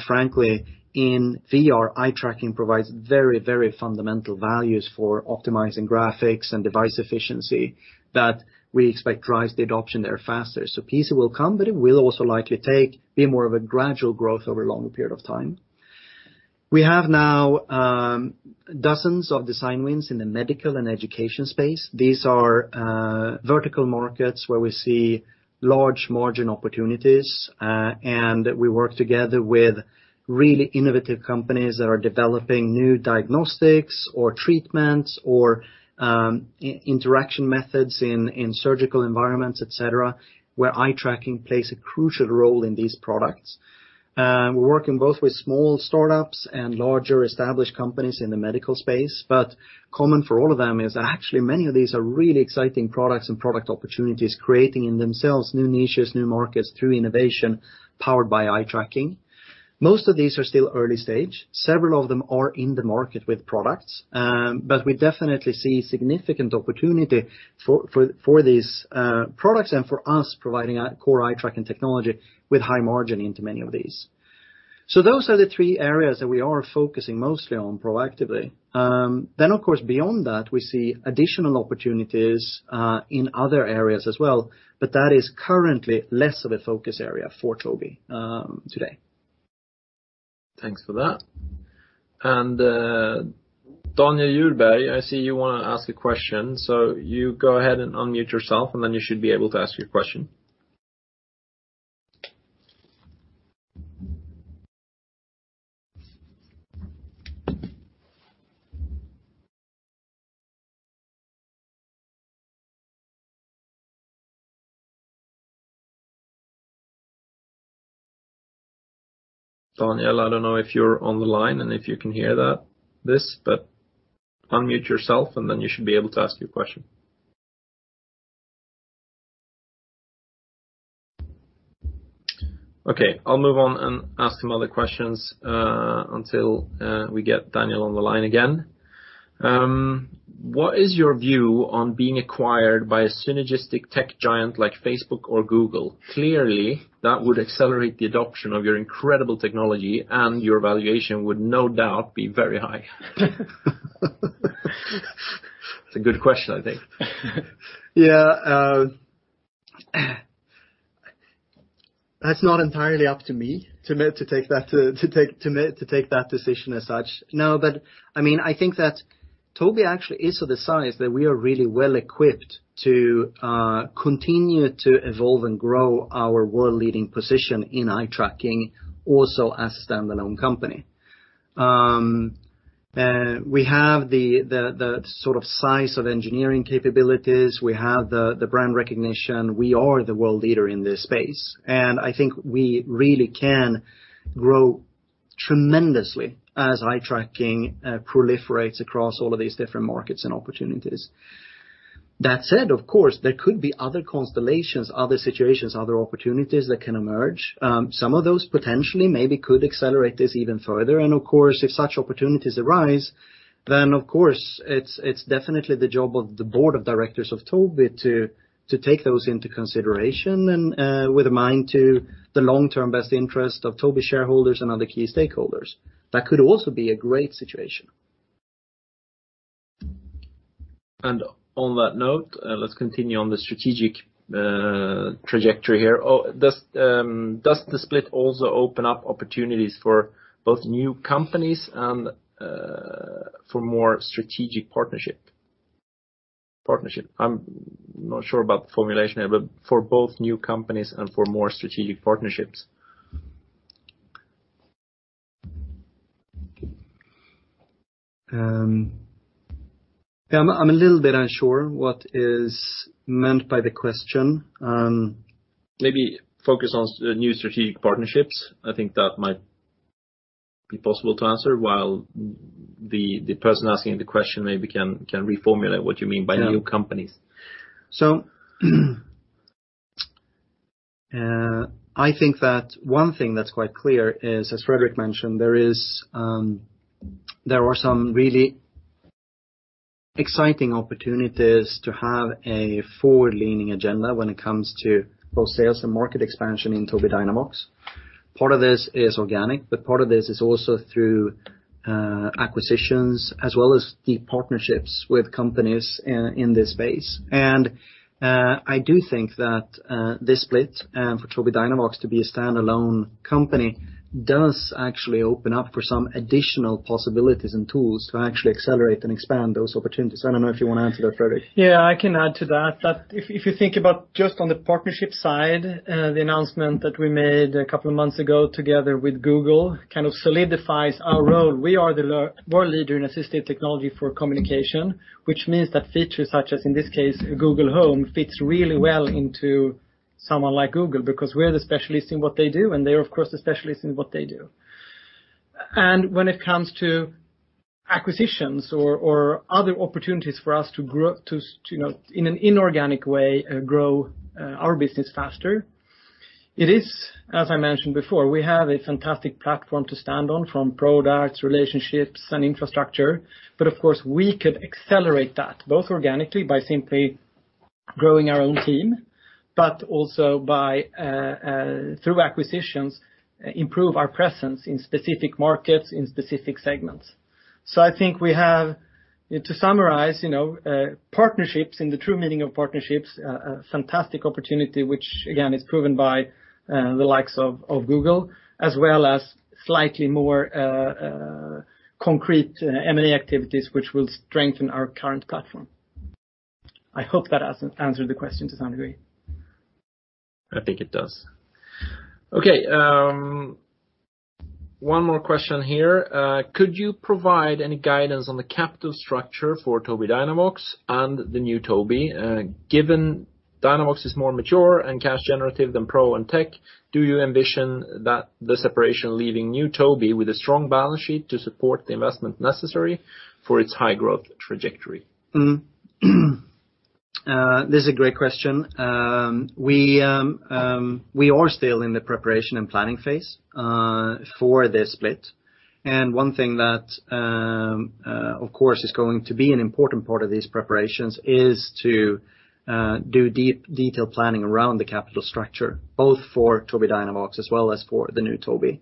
frankly, in VR, eye-tracking provides very fundamental values for optimizing graphics and device efficiency that we expect drives the adoption there faster. PC will come, but it will also likely be more of a gradual growth over a longer period of time. We have now dozens of design wins in the medical and education space. These are vertical markets where we see large margin opportunities, and we work together with really innovative companies that are developing new diagnostics or treatments or interaction methods in surgical environments, etc., where eye-tracking plays a crucial role in these products. We're working both with small startups and larger established companies in the medical space. Common for all of them is actually many of these are really exciting products and product opportunities, creating in themselves new niches, new markets through innovation powered by eye-tracking. Most of these are still early-stage. Several of them are in the market with products. We definitely see significant opportunity for these products and for us providing a core eye-tracking technology with high margin into many of these. Those are the three areas that we are focusing mostly on proactively. Of course, beyond that, we see additional opportunities in other areas as well, but that is currently less of a focus area for Tobii today. Thanks for that. Daniel Juhlin, I see you want to ask a question, so you go ahead and unmute yourself, and then you should be able to ask your question. Daniel, I don't know if you're on the line and if you can hear this, but unmute yourself, and then you should be able to ask your question. Okay, I'll move on and ask some other questions until we get Daniel on the line again. What is your view on being acquired by a synergistic tech giant like Facebook or Google? Clearly, that would accelerate the adoption of your incredible technology, and your valuation would no doubt be very high. It's a good question, I think. Yeah. That's not entirely up to me to make that decision as such. No, I think that Tobii actually is of the size that we are really well equipped to continue to evolve and grow our world-leading position in eye-tracking also as a standalone company. We have the sort of size of engineering capabilities. We have the brand recognition. We are the world leader in this space, and I think we really can grow tremendously as eye-tracking proliferates across all of these different markets and opportunities. That said, of course, there could be other constellations, other situations, other opportunities that can emerge. Some of those potentially maybe could accelerate this even further. Of course, if such opportunities arise, then of course, it's definitely the job of the board of directors of Tobii to take those into consideration and with a mind to the long-term best interest of Tobii shareholders and other key stakeholders. That could also be a great situation. On that note, let's continue on the strategic trajectory here. Does the split also open up opportunities for both new companies and for more strategic partnership? I'm not sure about the formulation here, but for both new companies and for more strategic partnerships. I'm a little bit unsure what is meant by the question. Maybe focus on new strategic partnerships. I think that might be possible to answer while the person asking the question maybe can reformulate what you mean by new companies. I think that one thing that's quite clear is, as Fredrik mentioned, there are some really exciting opportunities to have a forward-leaning agenda when it comes to both sales and market expansion in Tobii Dynavox. Part of this is organic, but part of this is also through acquisitions as well as deep partnerships with companies in this space. I do think that this split for Tobii Dynavox to be a standalone company does actually open up for some additional possibilities and tools to actually accelerate and expand those opportunities. I don't know if you want to add to that, Fredrik. Yeah, I can add to that, if you think about just on the partnership side, the announcement that we made a couple of months ago together with Google kind of solidifies our role. We are the world leader in assistive technology for communication, which means that features such as, in this case, Google Home, fits really well into someone like Google because we're the specialist in what they do, and they're, of course, the specialist in what they do. When it comes to acquisitions or other opportunities for us to grow in an inorganic way grow our business faster. It is, as I mentioned before, we have a fantastic platform to stand on from products, relationships, and infrastructure. Of course, we could accelerate that both organically by simply growing our own team, but also through acquisitions, improve our presence in specific markets, in specific segments. I think we have, to summarize, partnerships in the true meaning of partnerships, a fantastic opportunity, which again, is proven by the likes of Google, as well as slightly more concrete M&A activities, which will strengthen our current platform. I hope that answered the question to some degree. I think it does. Okay. One more question here. Could you provide any guidance on the capital structure for Tobii Dynavox and the new Tobii? Given Dynavox is more mature and cash generative than Pro and Tech, do you envision that the separation leaving new Tobii with a strong balance sheet to support the investment necessary for its high growth trajectory? This is a great question. We are still in the preparation and planning phase for this split. One thing that, of course, is going to be an important part of these preparations is to do deep detail planning around the capital structure, both for Tobii Dynavox as well as for the new Tobii.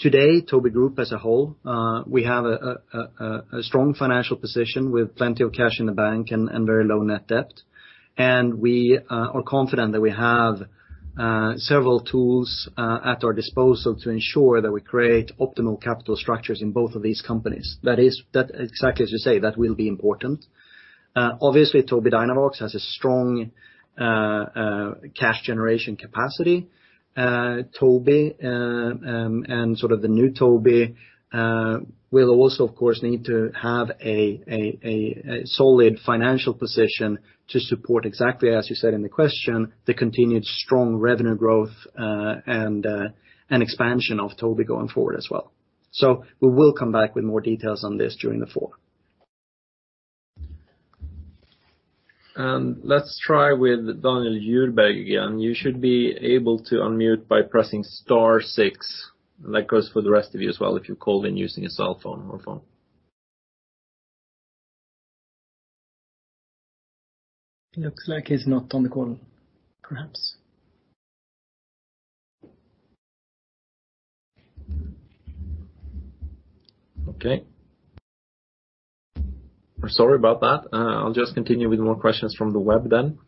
Today, Tobii Group as a whole, we have a strong financial position with plenty of cash in the bank and very low net debt. We are confident that we have several tools at our disposal to ensure that we create optimal capital structures in both of these companies. That exactly as you say, that will be important. Obviously, Tobii Dynavox has a strong cash generation capacity. Tobii, and sort of the new Tobii, will also, of course, need to have a solid financial position to support exactly as you said in the question, the continued strong revenue growth, and expansion of Tobii going forward as well. We will come back with more details on this during the fall. Let's try with Daniel Juhlin again. You should be able to unmute by pressing star six. That goes for the rest of you as well if you called in using a cell phone or phone. Looks like he's not on the call, perhaps. Okay. We're sorry about that. I'll just continue with more questions from the web then.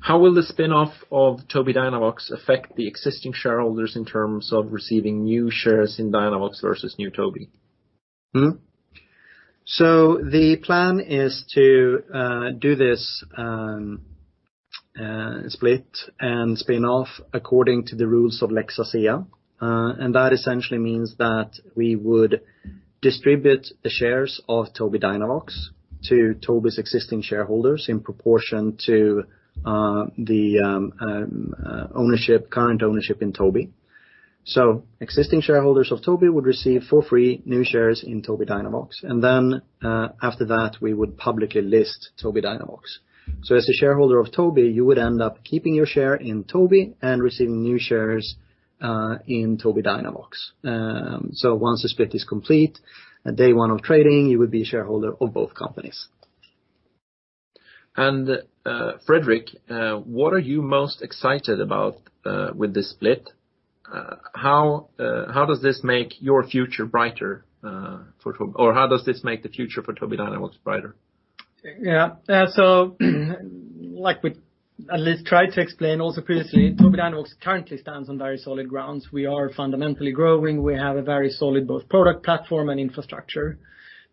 How will the spin-off of Tobii Dynavox affect the existing shareholders in terms of receiving new shares in Dynavox versus new Tobii? The plan is to do this split and spin-off according to the rules of Lex Asea. That essentially means that we would distribute the shares of Tobii Dynavox to Tobii's existing shareholders in proportion to the current ownership in Tobii. Existing shareholders of Tobii would receive for free new shares in Tobii Dynavox. Then after that, we would publicly list Tobii Dynavox. As a shareholder of Tobii, you would end up keeping your share in Tobii and receiving new shares in Tobii Dynavox. Once the split is complete, at day one of trading, you would be a shareholder of both companies. Fredrik, what are you most excited about with this split? How does this make your future brighter for Tobii, or how does this make the future for Tobii Dynavox brighter? Yeah. Like we at least tried to explain also previously, Tobii Dynavox currently stands on very solid grounds. We are fundamentally growing. We have a very solid both product platform and infrastructure.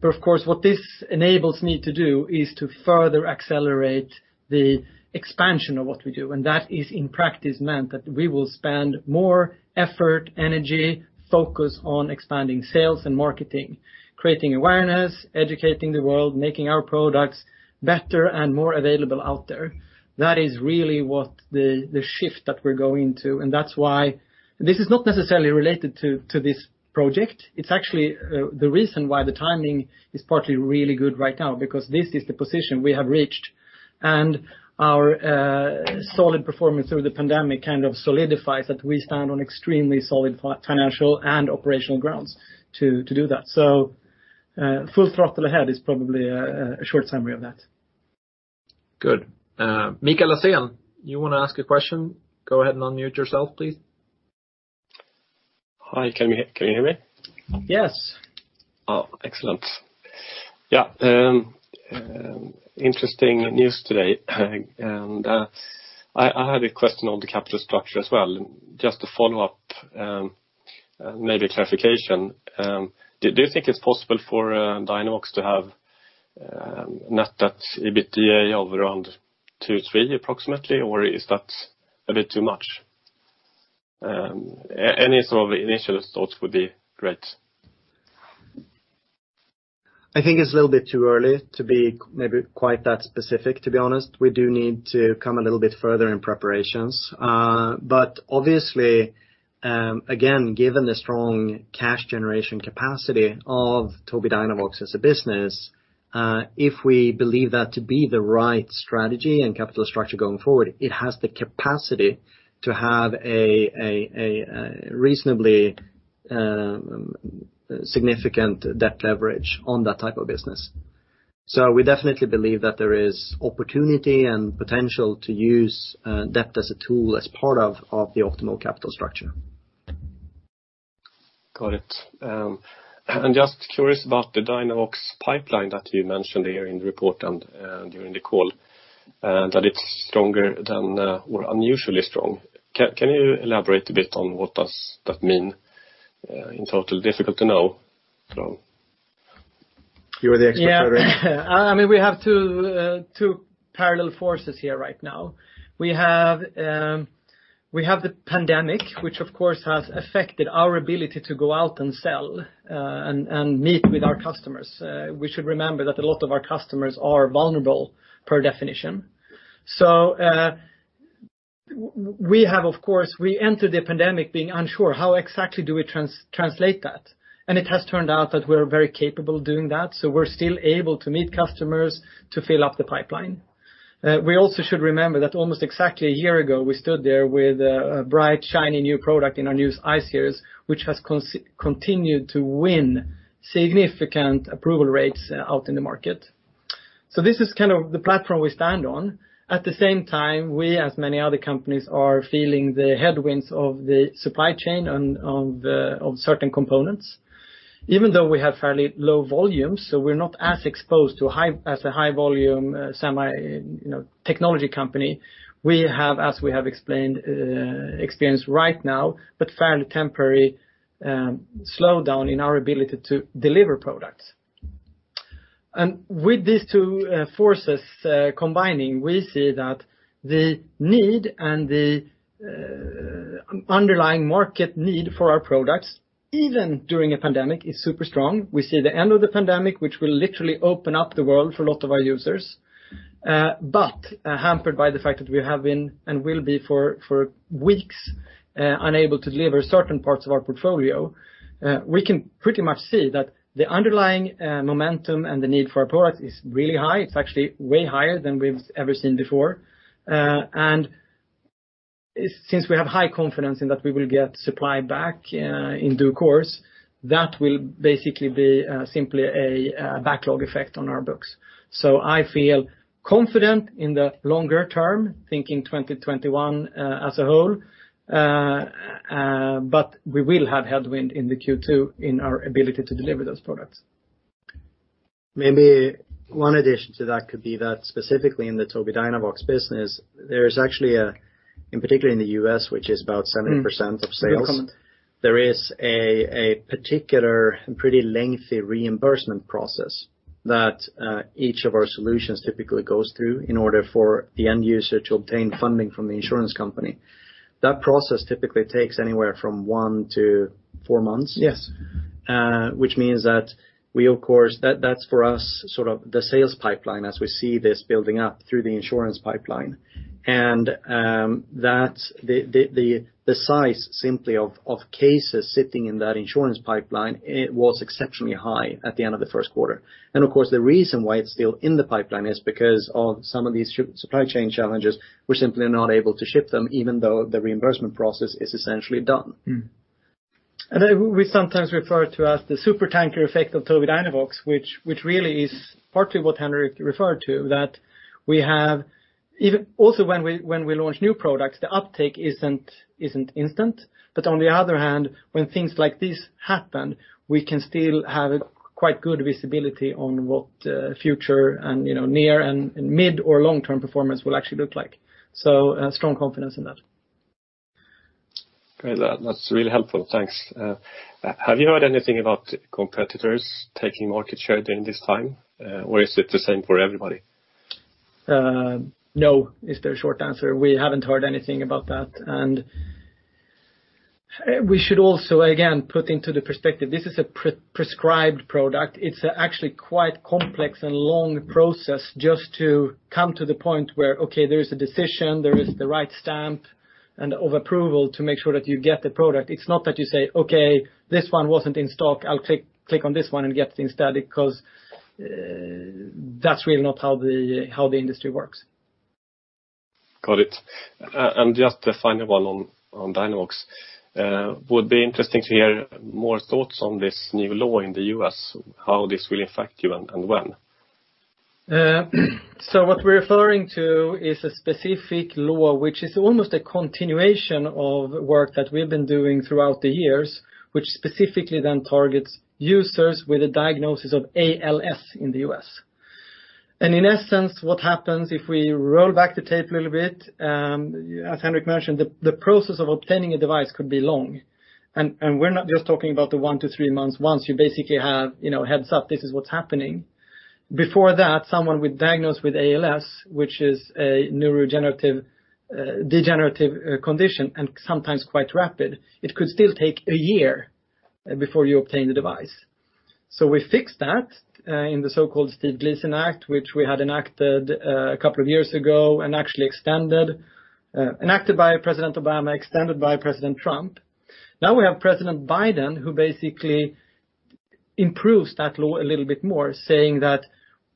Of course, what this enables me to do is to further accelerate the expansion of what we do. That is in practice meant that we will spend more effort, energy, focus on expanding sales and marketing, creating awareness, educating the world, making our products better and more available out there. That is really what the shift that we're going to. That's why this is not necessarily related to this project. It's actually the reason why the timing is partly really good right now, because this is the position we have reached. Our solid performance through the pandemic kind of solidifies that we stand on extremely solid financial and operational grounds to do that. Full throttle ahead is probably a short summary of that. Good. Mikael Laséen, you want to ask a question? Go ahead and unmute yourself, please. Hi, can you hear me? Yes. Oh, excellent. Yeah. Interesting news today. I had a question on the capital structure as well, just to follow up, maybe clarification. Do you think it's possible for Dynavox to have net debt to EBITDA of around two, three approximately, or is that a bit too much? Any sort of initial thoughts would be great. I think it's a little bit too early to be maybe quite that specific, to be honest. We do need to come a little bit further in preparations. Obviously, again, given the strong cash generation capacity of Tobii Dynavox as a business, if we believe that to be the right strategy and capital structure going forward, it has the capacity to have a reasonably significant debt leverage on that type of business. We definitely believe that there is opportunity and potential to use debt as a tool as part of the optimal capital structure. Got it. I'm just curious about the Dynavox pipeline that you mentioned here in the report and during the call, that it's stronger than or unusually strong. Can you elaborate a bit on what does that mean in total? Difficult to know. You are the expert, Fredrik. Yeah. We have two parallel forces here right now. We have the pandemic, which of course has affected our ability to go out and sell, and meet with our customers. We should remember that a lot of our customers are vulnerable per definition. We entered the pandemic being unsure how exactly do we translate that. It has turned out that we're very capable of doing that. We're still able to meet customers to fill up the pipeline. We also should remember that almost exactly a year ago, we stood there with a bright, shiny new product in our new I-Series, which has continued to win significant approval rates out in the market. This is kind of the platform we stand on. At the same time, we, as many other companies, are feeling the headwinds of the supply chain of certain components. Even though we have fairly low volumes, so we're not as exposed as a high-volume semi technology company. We have, as we have experienced right now, but fairly temporary, slowdown in our ability to deliver products. With these two forces combining, we see that the need and the underlying market need for our products, even during a pandemic, is super strong. Hampered by the fact that we have been, and will be for weeks, unable to deliver certain parts of our portfolio. We can pretty much see that the underlying momentum and the need for our products is really high. It's actually way higher than we've ever seen before. Since we have high confidence in that we will get supply back in due course, that will basically be simply a backlog effect on our books. I feel confident in the longer term, thinking 2021 as a whole. We will have headwind in the Q2 in our ability to deliver those products. Maybe one addition to that could be that specifically in the Tobii Dynavox business, there is actually a, in particular in the U.S., which is about 70% of sales. No comment. There is a particular and pretty lengthy reimbursement process that each of our solutions typically goes through in order for the end user to obtain funding from the insurance company. That process typically takes anywhere from one to four months. Yes. Which means that that's for us sort of the sales pipeline as we see this building up through the insurance pipeline. The size simply of cases sitting in that insurance pipeline, it was exceptionally high at the end of the first quarter. Of course, the reason why it's still in the pipeline is because of some of these supply chain challenges. We're simply not able to ship them, even though the reimbursement process is essentially done. We sometimes refer to as the supertanker effect of Tobii Dynavox, which really is partly what Henrik referred to, that also when we launch new products, the uptake isn't instant. On the other hand, when things like this happen, we can still have quite good visibility on what future and near and mid or long-term performance will actually look like. Strong confidence in that. Great. That's really helpful. Thanks. Have you heard anything about competitors taking market share during this time? Is it the same for everybody? No is the short answer. We haven't heard anything about that. We should also, again, put into the perspective, this is a prescribed product. It's actually quite complex and long process just to come to the point where, okay, there is a decision, there is the right stamp and of approval to make sure that you get the product. It's not that you say, "Okay, this one wasn't in stock. I'll click on this one and get it instead." That's really not how the industry works. Got it. Just a final one on Dynavox. Would be interesting to hear more thoughts on this new law in the U.S., how this will affect you and when. What we're referring to is a specific law, which is almost a continuation of work that we've been doing throughout the years, which specifically then targets users with a diagnosis of ALS in the U.S. In essence, what happens if we roll back the tape a little bit, as Henrik mentioned, the process of obtaining a device could be long. We're not just talking about the one to three months once you basically have a heads up, this is what's happening. Before that, someone diagnosed with ALS, which is a neurodegenerative condition, and sometimes quite rapid, it could still take a year before you obtain the device. We fixed that in the so-called Steve Gleason Act, which we had enacted a couple of years ago and actually extended. Enacted by President Obama, extended by President Trump. We have President Biden who basically improves that law a little bit more, saying that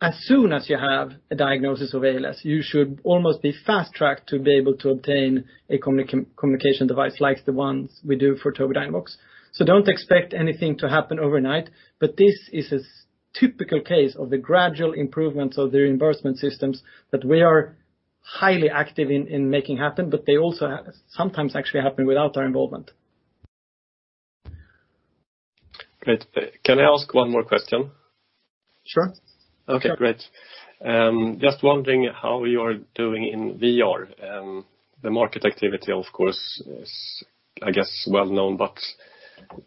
as soon as you have a diagnosis of ALS, you should almost be fast-tracked to be able to obtain a communication device like the ones we do for Tobii Dynavox. Don't expect anything to happen overnight, but this is a typical case of the gradual improvements of the reimbursement systems that we are highly active in making happen, but they also sometimes actually happen without our involvement. Great. Can I ask one more question? Sure. Okay, great. Just wondering how you're doing in VR. The market activity, of course, is, I guess, well-known, but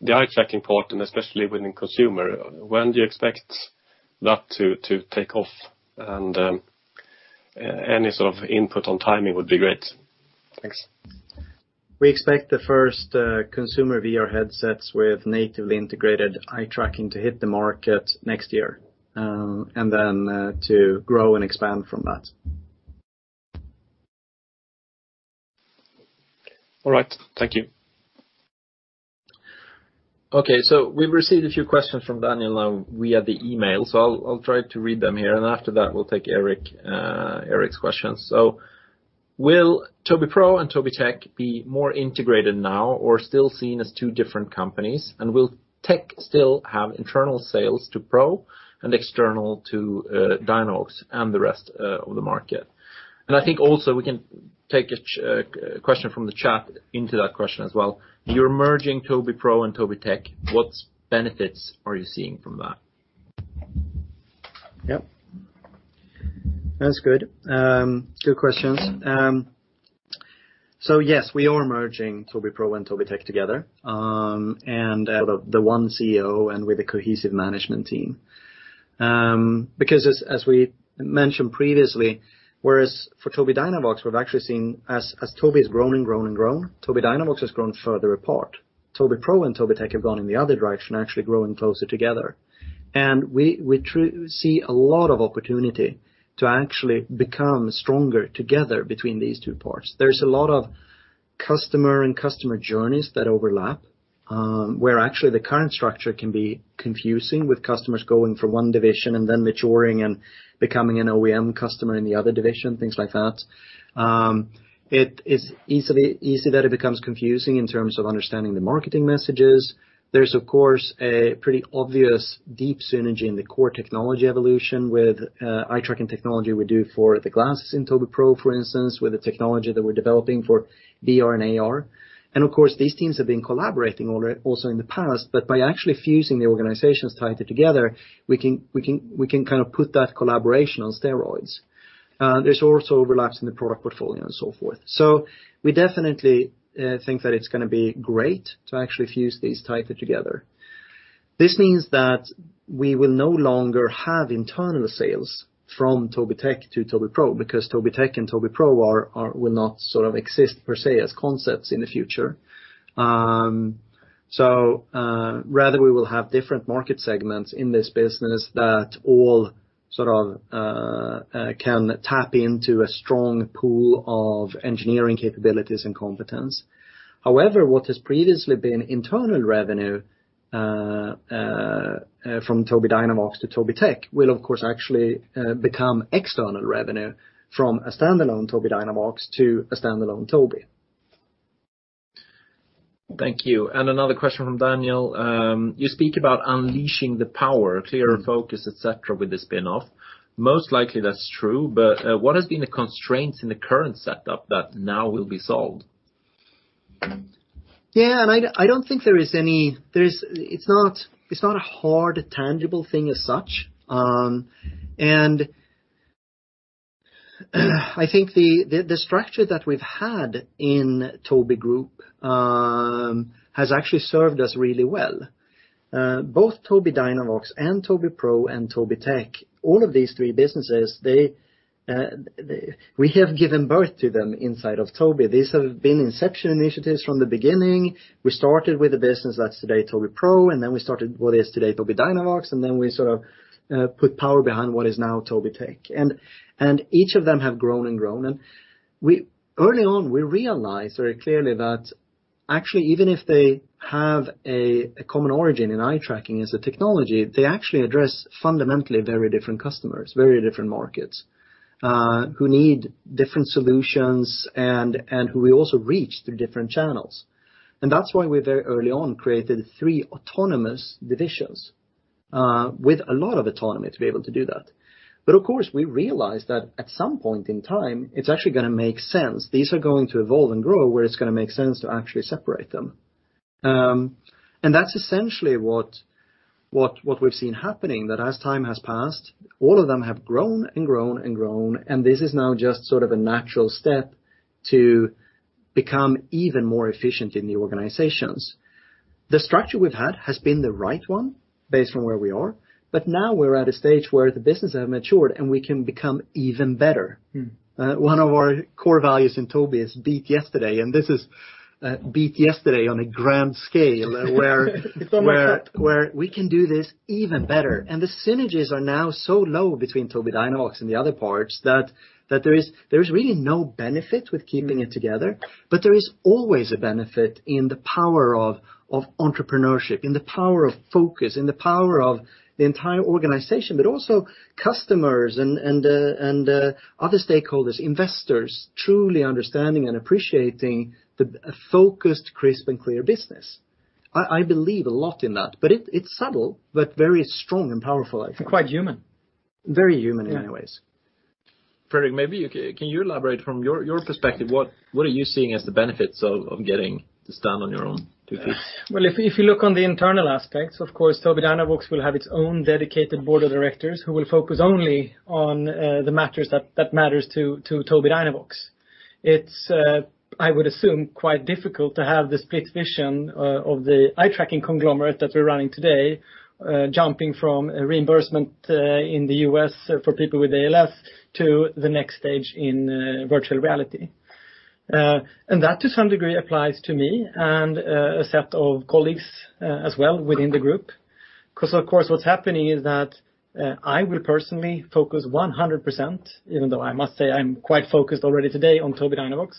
the eye-tracking part, and especially within consumer, when do you expect that to take off? Any sort of input on timing would be great. Thanks. We expect the first consumer VR headsets with natively integrated eye-tracking to hit the market next year, and then to grow and expand from that. All right. Thank you. We've received a few questions from Daniel via the email. I'll try to read them here. After that, we'll take Erik's questions. Will Tobii Pro and Tobii Tech be more integrated now or still seen as two different companies? Will Tech still have internal sales to Pro and external to Dynavox and the rest of the market? I think also we can take a question from the chat into that question as well. You're merging Tobii Pro and Tobii Tech. What benefits are you seeing from that? Yep. That's good. Good questions. Yes, we are merging Tobii Pro and Tobii Tech together, and the one CEO and with a cohesive management team. As we mentioned previously, whereas for Tobii Dynavox, we've actually seen as Tobii has grown and grown and grown, Tobii Dynavox has grown further apart. Tobii Pro and Tobii Tech have gone in the other direction, actually growing closer together. We see a lot of opportunity to actually become stronger together between these two parts. There's a lot of customer and customer journeys that overlap, where actually the current structure can be confusing with customers going from one division and then maturing and becoming an OEM customer in the other division, things like that. It is easy that it becomes confusing in terms of understanding the marketing messages. There's, of course, a pretty obvious deep synergy in the core technology evolution with eye-tracking technology we do for the glasses in Tobii Pro, for instance, with the technology that we're developing for VR and AR. Of course, these teams have been collaborating also in the past, but by actually fusing the organizations tighter together, we can kind of put that collaboration on steroids. There's also overlaps in the product portfolio and so forth. We definitely think that it's going to be great to actually fuse these tighter together. This means that we will no longer have internal sales from Tobii Tech to Tobii Pro because Tobii Tech and Tobii Pro will not sort of exist per se as concepts in the future. Rather, we will have different market segments in this business that all sort of can tap into a strong pool of engineering capabilities and competence. However, what has previously been internal revenue from Tobii Dynavox to Tobii Tech will of course actually become external revenue from a standalone Tobii Dynavox to a standalone Tobii. Thank you. Another question from Daniel. You speak about unleashing the power, clearer focus, etc., with the spin-off. Most likely that's true, but what has been the constraints in the current setup that now will be solved? I don't think there is any hard, tangible thing as such. I think the structure that we've had in Tobii Group has actually served us really well. Both Tobii Dynavox and Tobii Pro and Tobii Tech, all of these three businesses, we have given birth to them inside of Tobii. These have been inception initiatives from the beginning. We started with a business that's today Tobii Pro, and then we started what is today Tobii Dynavox, and then we sort of put power behind what is now Tobii Tech. Each of them have grown and grown. Early on, we realized very clearly that actually, even if they have a common origin in eye-tracking as a technology, they actually address fundamentally very different customers, very different markets, who need different solutions and who we also reach through different channels. That's why we very early on created three autonomous divisions, with a lot of autonomy to be able to do that. Of course, we realized that at some point in time, it's actually going to make sense. These are going to evolve and grow where it's going to make sense to actually separate them. That's essentially what we've seen happening, that as time has passed, all of them have grown and grown and grown, and this is now just sort of a natural step to become even more efficient in the organizations. The structure we've had has been the right one based on where we are, but now we're at a stage where the business have matured, and we can become even better. One of our core values in Tobii is beat yesterday, and this is beat yesterday on a grand scale. It's almost like- We can do this even better. The synergies are now so low between Tobii Dynavox and the other parts that there is really no benefit with keeping it together. There is always a benefit in the power of entrepreneurship, in the power of focus, in the power of the entire organization, but also customers and other stakeholders, investors, truly understanding and appreciating a focused, crisp, and clear business. I believe a lot in that, but it's subtle, but very strong and powerful, I think. Quite human. Very human in many ways. Fredrik, can you elaborate from your perspective, what are you seeing as the benefits of getting to stand on your own two feet? Well, if you look on the internal aspects, of course, Tobii Dynavox will have its own dedicated board of directors who will focus only on the matters that matters to Tobii Dynavox. It's, I would assume, quite difficult to have the split vision of the eye-tracking conglomerate that we're running today, jumping from reimbursement in the U.S. for people with ALS to the next stage in virtual reality. That to some degree applies to me and a set of colleagues as well within the group. Because of course, what's happening is that I will personally focus 100%, even though I must say I'm quite focused already today on Tobii Dynavox.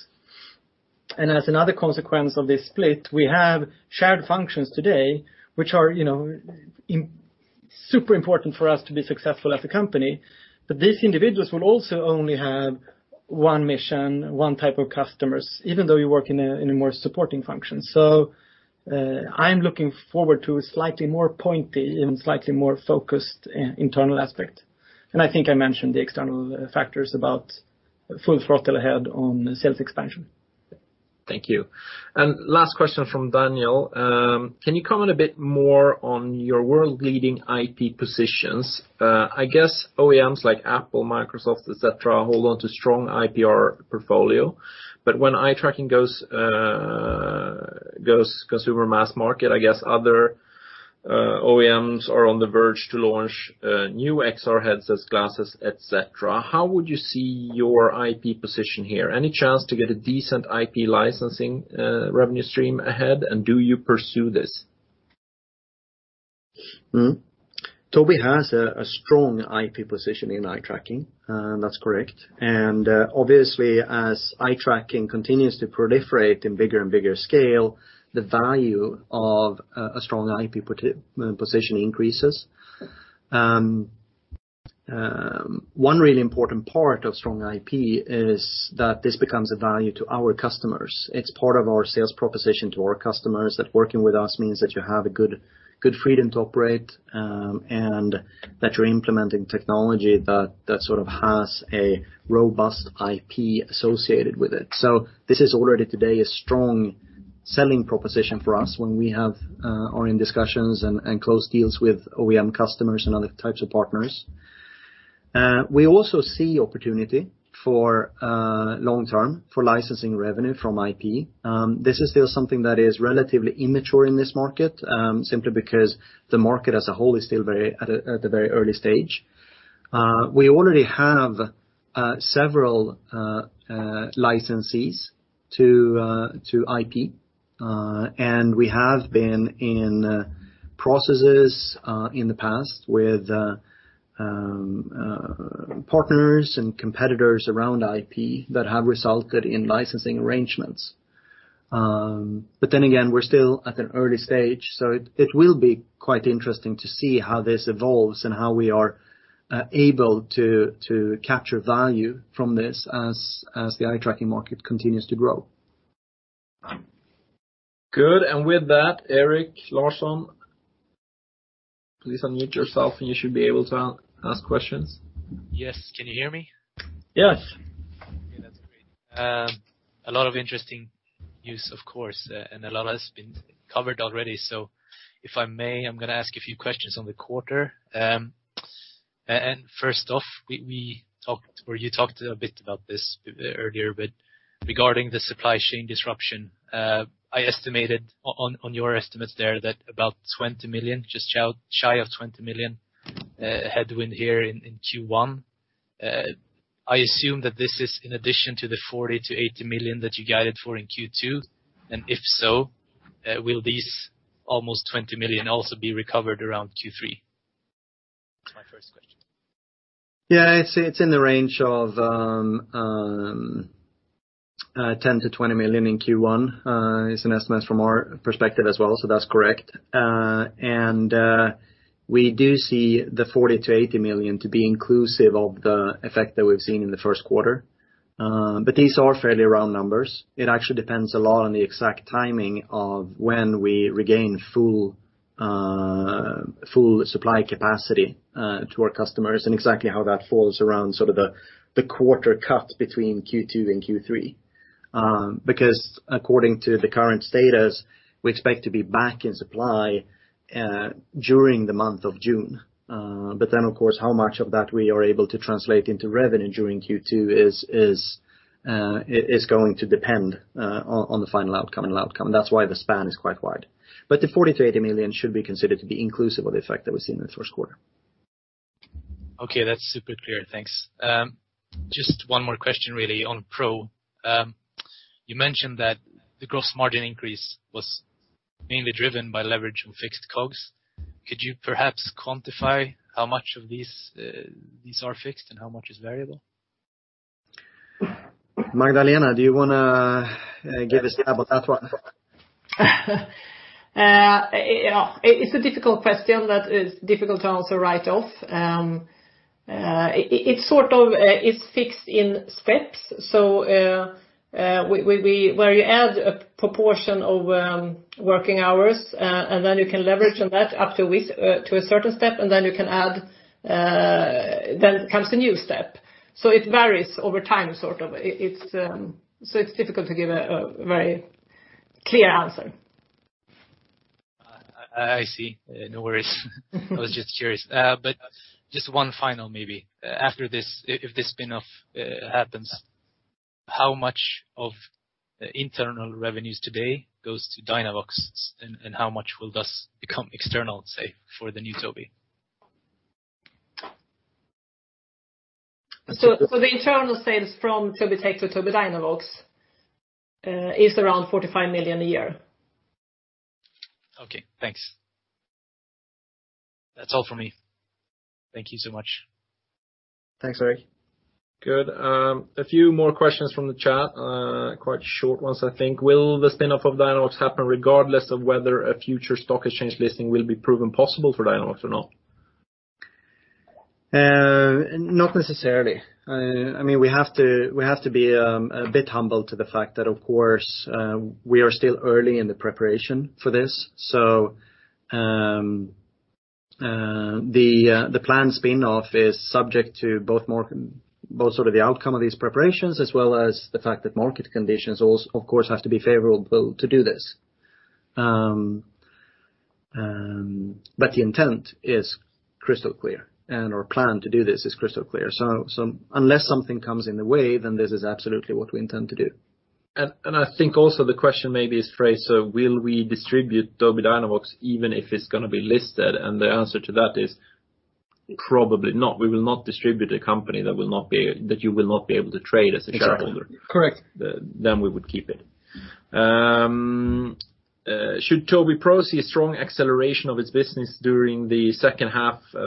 As another consequence of this split, we have shared functions today, which are super important for us to be successful as a company. These individuals will also only have one mission, one type of customers, even though you work in a more supporting function. I am looking forward to a slightly more pointy and slightly more focused internal aspect. I think I mentioned the external factors about full throttle ahead on sales expansion. Thank you. Last question from Daniel. Can you comment a bit more on your world-leading IP positions? I guess OEMs like Apple, Microsoft, etc., hold on to strong IPR portfolio. When eye-tracking goes consumer mass market, I guess other OEMs are on the verge to launch new XR headsets, glasses, etc. How would you see your IP position here? Any chance to get a decent IP licensing revenue stream ahead? Do you pursue this? Tobii has a strong IP position in eye-tracking, that's correct. Obviously, as eye-tracking continues to proliferate in bigger and bigger scale, the value of a strong IP position increases. One really important part of strong IP is that this becomes a value to our customers. It's part of our sales proposition to our customers that working with us means that you have a good freedom to operate, and that you're implementing technology that sort of has a robust IP associated with it. This is already today a strong selling proposition for us in discussions and close deals with OEM customers and other types of partners. We also see opportunity for long term for licensing revenue from IP. This is still something that is relatively immature in this market, simply because the market as a whole is still at a very early stage. We already have several licensees to IP, and we have been in processes in the past with partners and competitors around IP that have resulted in licensing arrangements. Again, we're still at an early stage, so it will be quite interesting to see how this evolves and how we are able to capture value from this as the eye-tracking market continues to grow. Good. With that, Erik Larsson, please unmute yourself and you should be able to ask questions. Yes. Can you hear me? Yes. Okay, that's great. A lot of interesting news, of course, a lot has been covered already. If I may, I'm going to ask a few questions on the quarter. First off, you talked a bit about this earlier, regarding the supply chain disruption, I estimated on your estimates there that about 20 million, just shy of 20 million headwind here in Q1. I assume that this is in addition to the 40 million-80 million that you guided for in Q2, if so, will these almost 20 million also be recovered around Q3? That's my first question. Yeah, it's in the range of 10 million-20 million in Q1, is an estimate from our perspective as well. That's correct. We do see the 40 million-80 million to be inclusive of the effect that we've seen in the first quarter. These are fairly round numbers. It actually depends a lot on the exact timing of when we regain full supply capacity to our customers and exactly how that falls around sort of the quarter cut between Q2 and Q3. According to the current status, we expect to be back in supply during the month of June. Of course, how much of that we are able to translate into revenue during Q2 is going to depend on the final outcome. That's why the span is quite wide. The 40 million-80 million should be considered to be inclusive of the effect that we've seen in the first quarter. Okay. That's super clear. Thanks. Just one more question, really on Pro. You mentioned that the gross margin increase was mainly driven by leverage of fixed costs. Could you perhaps quantify how much of these are fixed and how much is variable? Magdalena, do you want to give a stab at that one? It's a difficult question that is difficult to answer right off. It's fixed in steps. Where you add a proportion of working hours, and then you can leverage on that up to a certain step, and then comes the new step. It varies over time. It's difficult to give a very clear answer. I see. No worries. I was just curious. Just one final, maybe, after this, if this spin-off happens, how much of the internal revenues today goes to Dynavox, and how much will thus become external, say, for the new Tobii? The internal sales from Tobii Tech to Tobii Dynavox is around 45 million a year. Okay, thanks. That's all from me. Thank you so much. Thanks, Erik. Good. A few more questions from the chat. Quite short ones, I think. Will the spin-off of Dynavox happen regardless of whether a future stock exchange listing will be proven possible for Dynavox or not? Not necessarily. We have to be a bit humble to the fact that, of course, we are still early in the preparation for this. The planned spin-off is subject to both the outcome of these preparations, as well as the fact that market conditions also, of course, have to be favorable to do this. The intent is crystal clear, and our plan to do this is crystal clear. Unless something comes in the way, then this is absolutely what we intend to do. I think also the question maybe is phrased, will we distribute Tobii Dynavox even if it's going to be listed? The answer to that is probably not. We will not distribute a company that you will not be able to trade as a shareholder. Exactly. Correct. We would keep it. Should Tobii Pro see a strong acceleration of its business during the second half as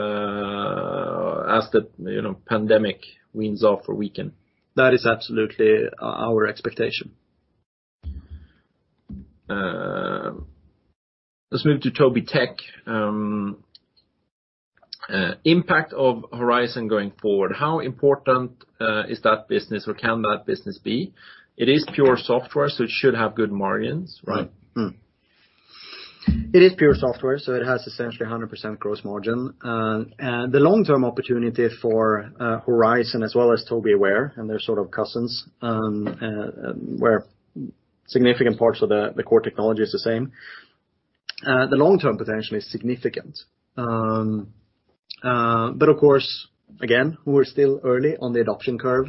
the pandemic weans off or weaken? That is absolutely our expectation. Let's move to Tobii Tech. Impact of Horizon going forward. How important is that business, or can that business be? It is pure software, so it should have good margins, right? It is pure software. It has essentially 100% gross margin. The long-term opportunity for Horizon as well as Tobii Aware, and they're sort of cousins, where significant parts of the core technology is the same. The long-term potential is significant. Of course, again, we're still early on the adoption curve.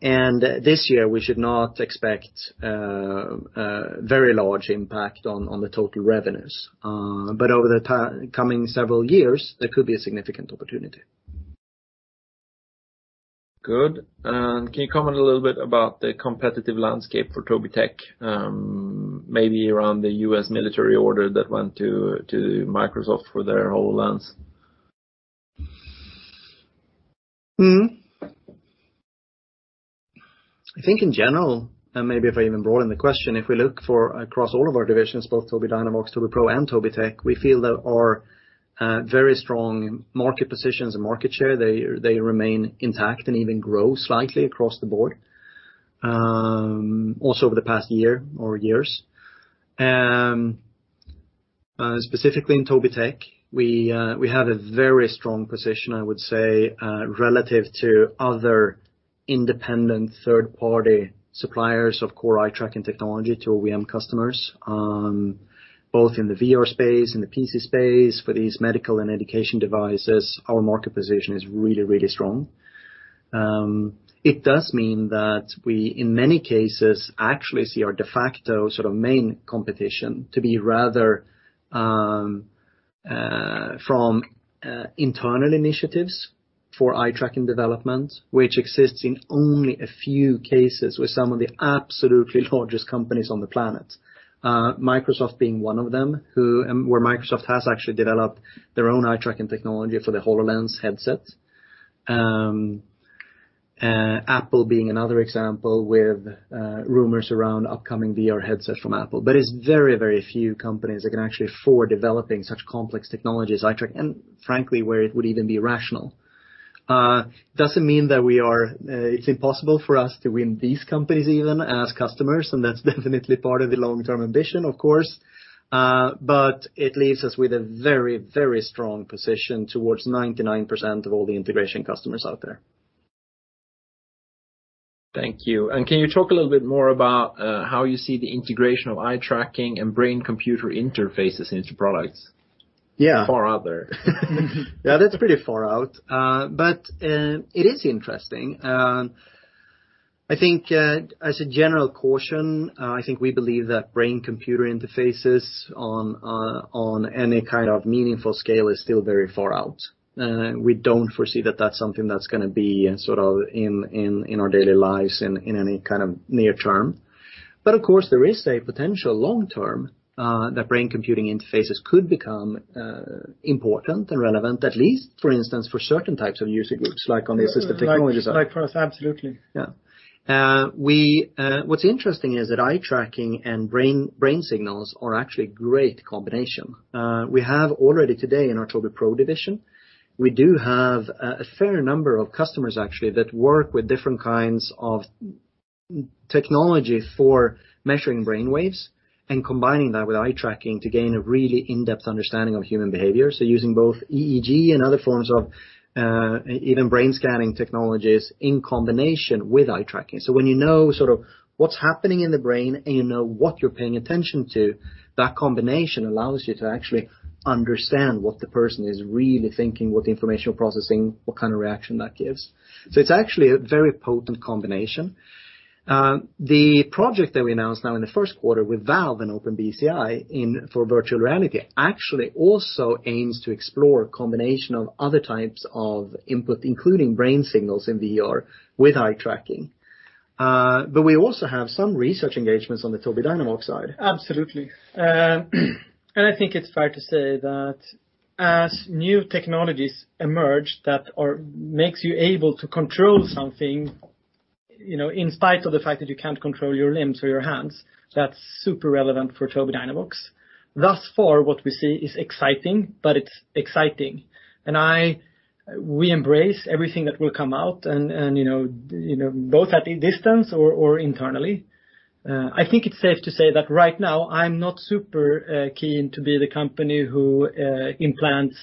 This year, we should not expect a very large impact on the total revenues. Over the coming several years, there could be a significant opportunity. Good. Can you comment a little bit about the competitive landscape for Tobii Tech, maybe around the U.S. military order that went to Microsoft for their HoloLens? I think in general, and maybe if I even broaden the question, if we look for across all of our divisions, both Tobii Dynavox, Tobii Pro, and Tobii Tech, we feel that our very strong market positions and market share, they remain intact and even grow slightly across the board, also over the past year or years. Specifically in Tobii Tech, we have a very strong position, I would say, relative to other independent third-party suppliers of core eye-tracking technology to OEM customers, both in the VR space and the PC space for these medical and education devices, our market position is really, really strong. It does mean that we, in many cases, actually see our de facto main competition to be rather from internal initiatives for eye-tracking development, which exists in only a few cases with some of the absolutely largest companies on the planet. Microsoft being one of them, where Microsoft has actually developed their own eye-tracking technology for the HoloLens headset. Apple being another example with rumors around upcoming VR headset from Apple. It's very, very few companies that can actually afford developing such complex technology as eye-tracking, and frankly, where it would even be rational. Doesn't mean that it's impossible for us to win these companies even as customers, and that's definitely part of the long-term ambition, of course. It leaves us with a very, very strong position towards 99% of all the integration customers out there. Thank you. Can you talk a little bit more about how you see the integration of eye-tracking and brain-computer interfaces into products? Yeah. Far out there. Yeah, that's pretty far out. It is interesting. I think, as a general caution, I think we believe that brain computer interfaces on any kind of meaningful scale is still very far out. We don't foresee that that's something that's going to be in our daily lives in any kind of near term. Of course, there is a potential long-term that brain computing interfaces could become important and relevant, at least, for instance, for certain types of user groups, like on the assistive technologies side. Like for us, absolutely. What's interesting is that eye-tracking and brain signals are actually a great combination. We have already today in our Tobii Pro division, we do have a fair number of customers, actually, that work with different kinds of technology for measuring brainwaves and combining that with eye-tracking to gain a really in-depth understanding of human behavior. Using both EEG and other forms of even brain scanning technologies in combination with eye-tracking. When you know sort of what's happening in the brain and you know what you're paying attention to, that combination allows you to actually understand what the person is really thinking, what information they're processing, what kind of reaction that gives. It's actually a very potent combination. The project that we announced now in the first quarter with Valve and OpenBCI for virtual reality actually also aims to explore a combination of other types of input, including brain signals in VR with eye-tracking. We also have some research engagements on the Tobii Dynavox side. Absolutely. I think it's fair to say that as new technologies emerge, that makes you able to control something, in spite of the fact that you can't control your limbs or your hands, that's super relevant for Tobii Dynavox. Thus far, what we see is exciting, but it's exciting. We embrace everything that will come out and both at a distance or internally. I think it's safe to say that right now I'm not super keen to be the company who implants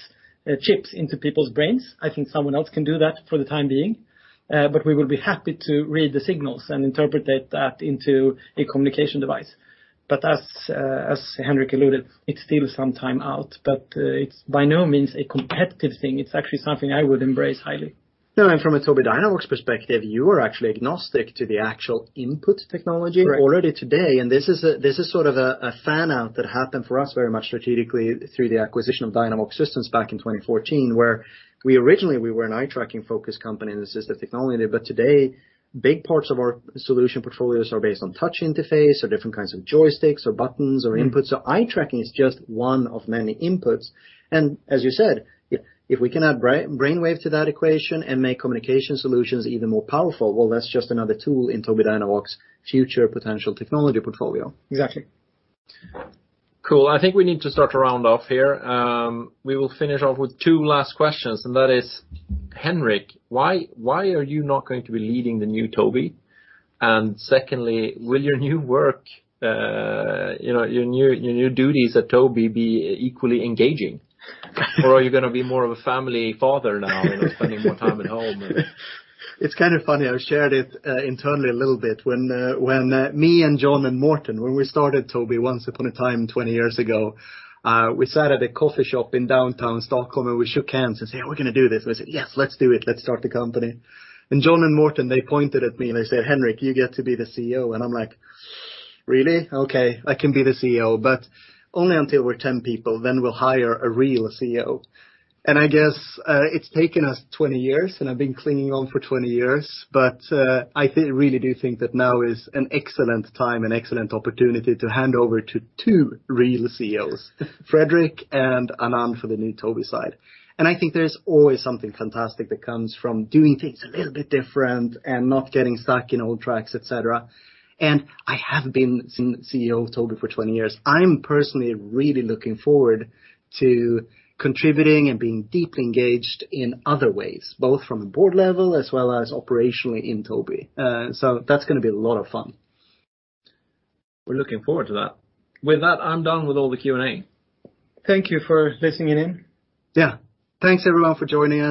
chips into people's brains. I think someone else can do that for the time being. We will be happy to read the signals and interpret that into a communication device. As Henrik alluded, it's still some time out, but it's by no means a competitive thing. It's actually something I would embrace highly. No, from a Tobii Dynavox perspective, you are actually agnostic to the actual input technology. Correct. Already today, this is sort of a fan-out that happened for us very much strategically through the acquisition of DynaVox Systems back in 2014, where we originally were an eye-tracking-focused company in assistive technology. Today, big parts of our solution portfolios are based on touch interface or different kinds of joysticks or buttons or inputs. Eye-tracking is just one of many inputs. As you said, if we can add brainwave to that equation and make communication solutions even more powerful, well, that's just another tool in Tobii Dynavox's future potential technology portfolio. Exactly. Cool. I think we need to start to round off here. We will finish off with two last questions, that is, Henrik, why are you not going to be leading the new Tobii? Secondly, will your new work, your new duties at Tobii be equally engaging? Or are you going to be more of a family father now, spending more time at home? It's kind of funny. I've shared it internally a little bit. When me and John and Mårten, when we started Tobii once upon a time 20 years ago, we sat at a coffee shop in downtown Stockholm, and we shook hands and said, "We're going to do this." I said, "Yes, let's do it. Let's start the company." John and Mårten, they pointed at me, and they said, "Henrik, you get to be the CEO." I'm like, "Really? Okay, I can be the CEO, but only until we're 10 people, then we'll hire a real CEO." I guess it's taken us 20 years, and I've been clinging on for 20 years, but I really do think that now is an excellent time and excellent opportunity to hand over to two real CEOs, Fredrik and Anand, for the new Tobii side. I think there's always something fantastic that comes from doing things a little bit different and not getting stuck in old tracks, et cetera. I have been CEO of Tobii for 20 years. I'm personally really looking forward to contributing and being deeply engaged in other ways, both from a board level as well as operationally in Tobii. That's going to be a lot of fun. We're looking forward to that. With that, I'm done with all the Q&A. Thank you for listening in. Yeah. Thanks, everyone, for joining us.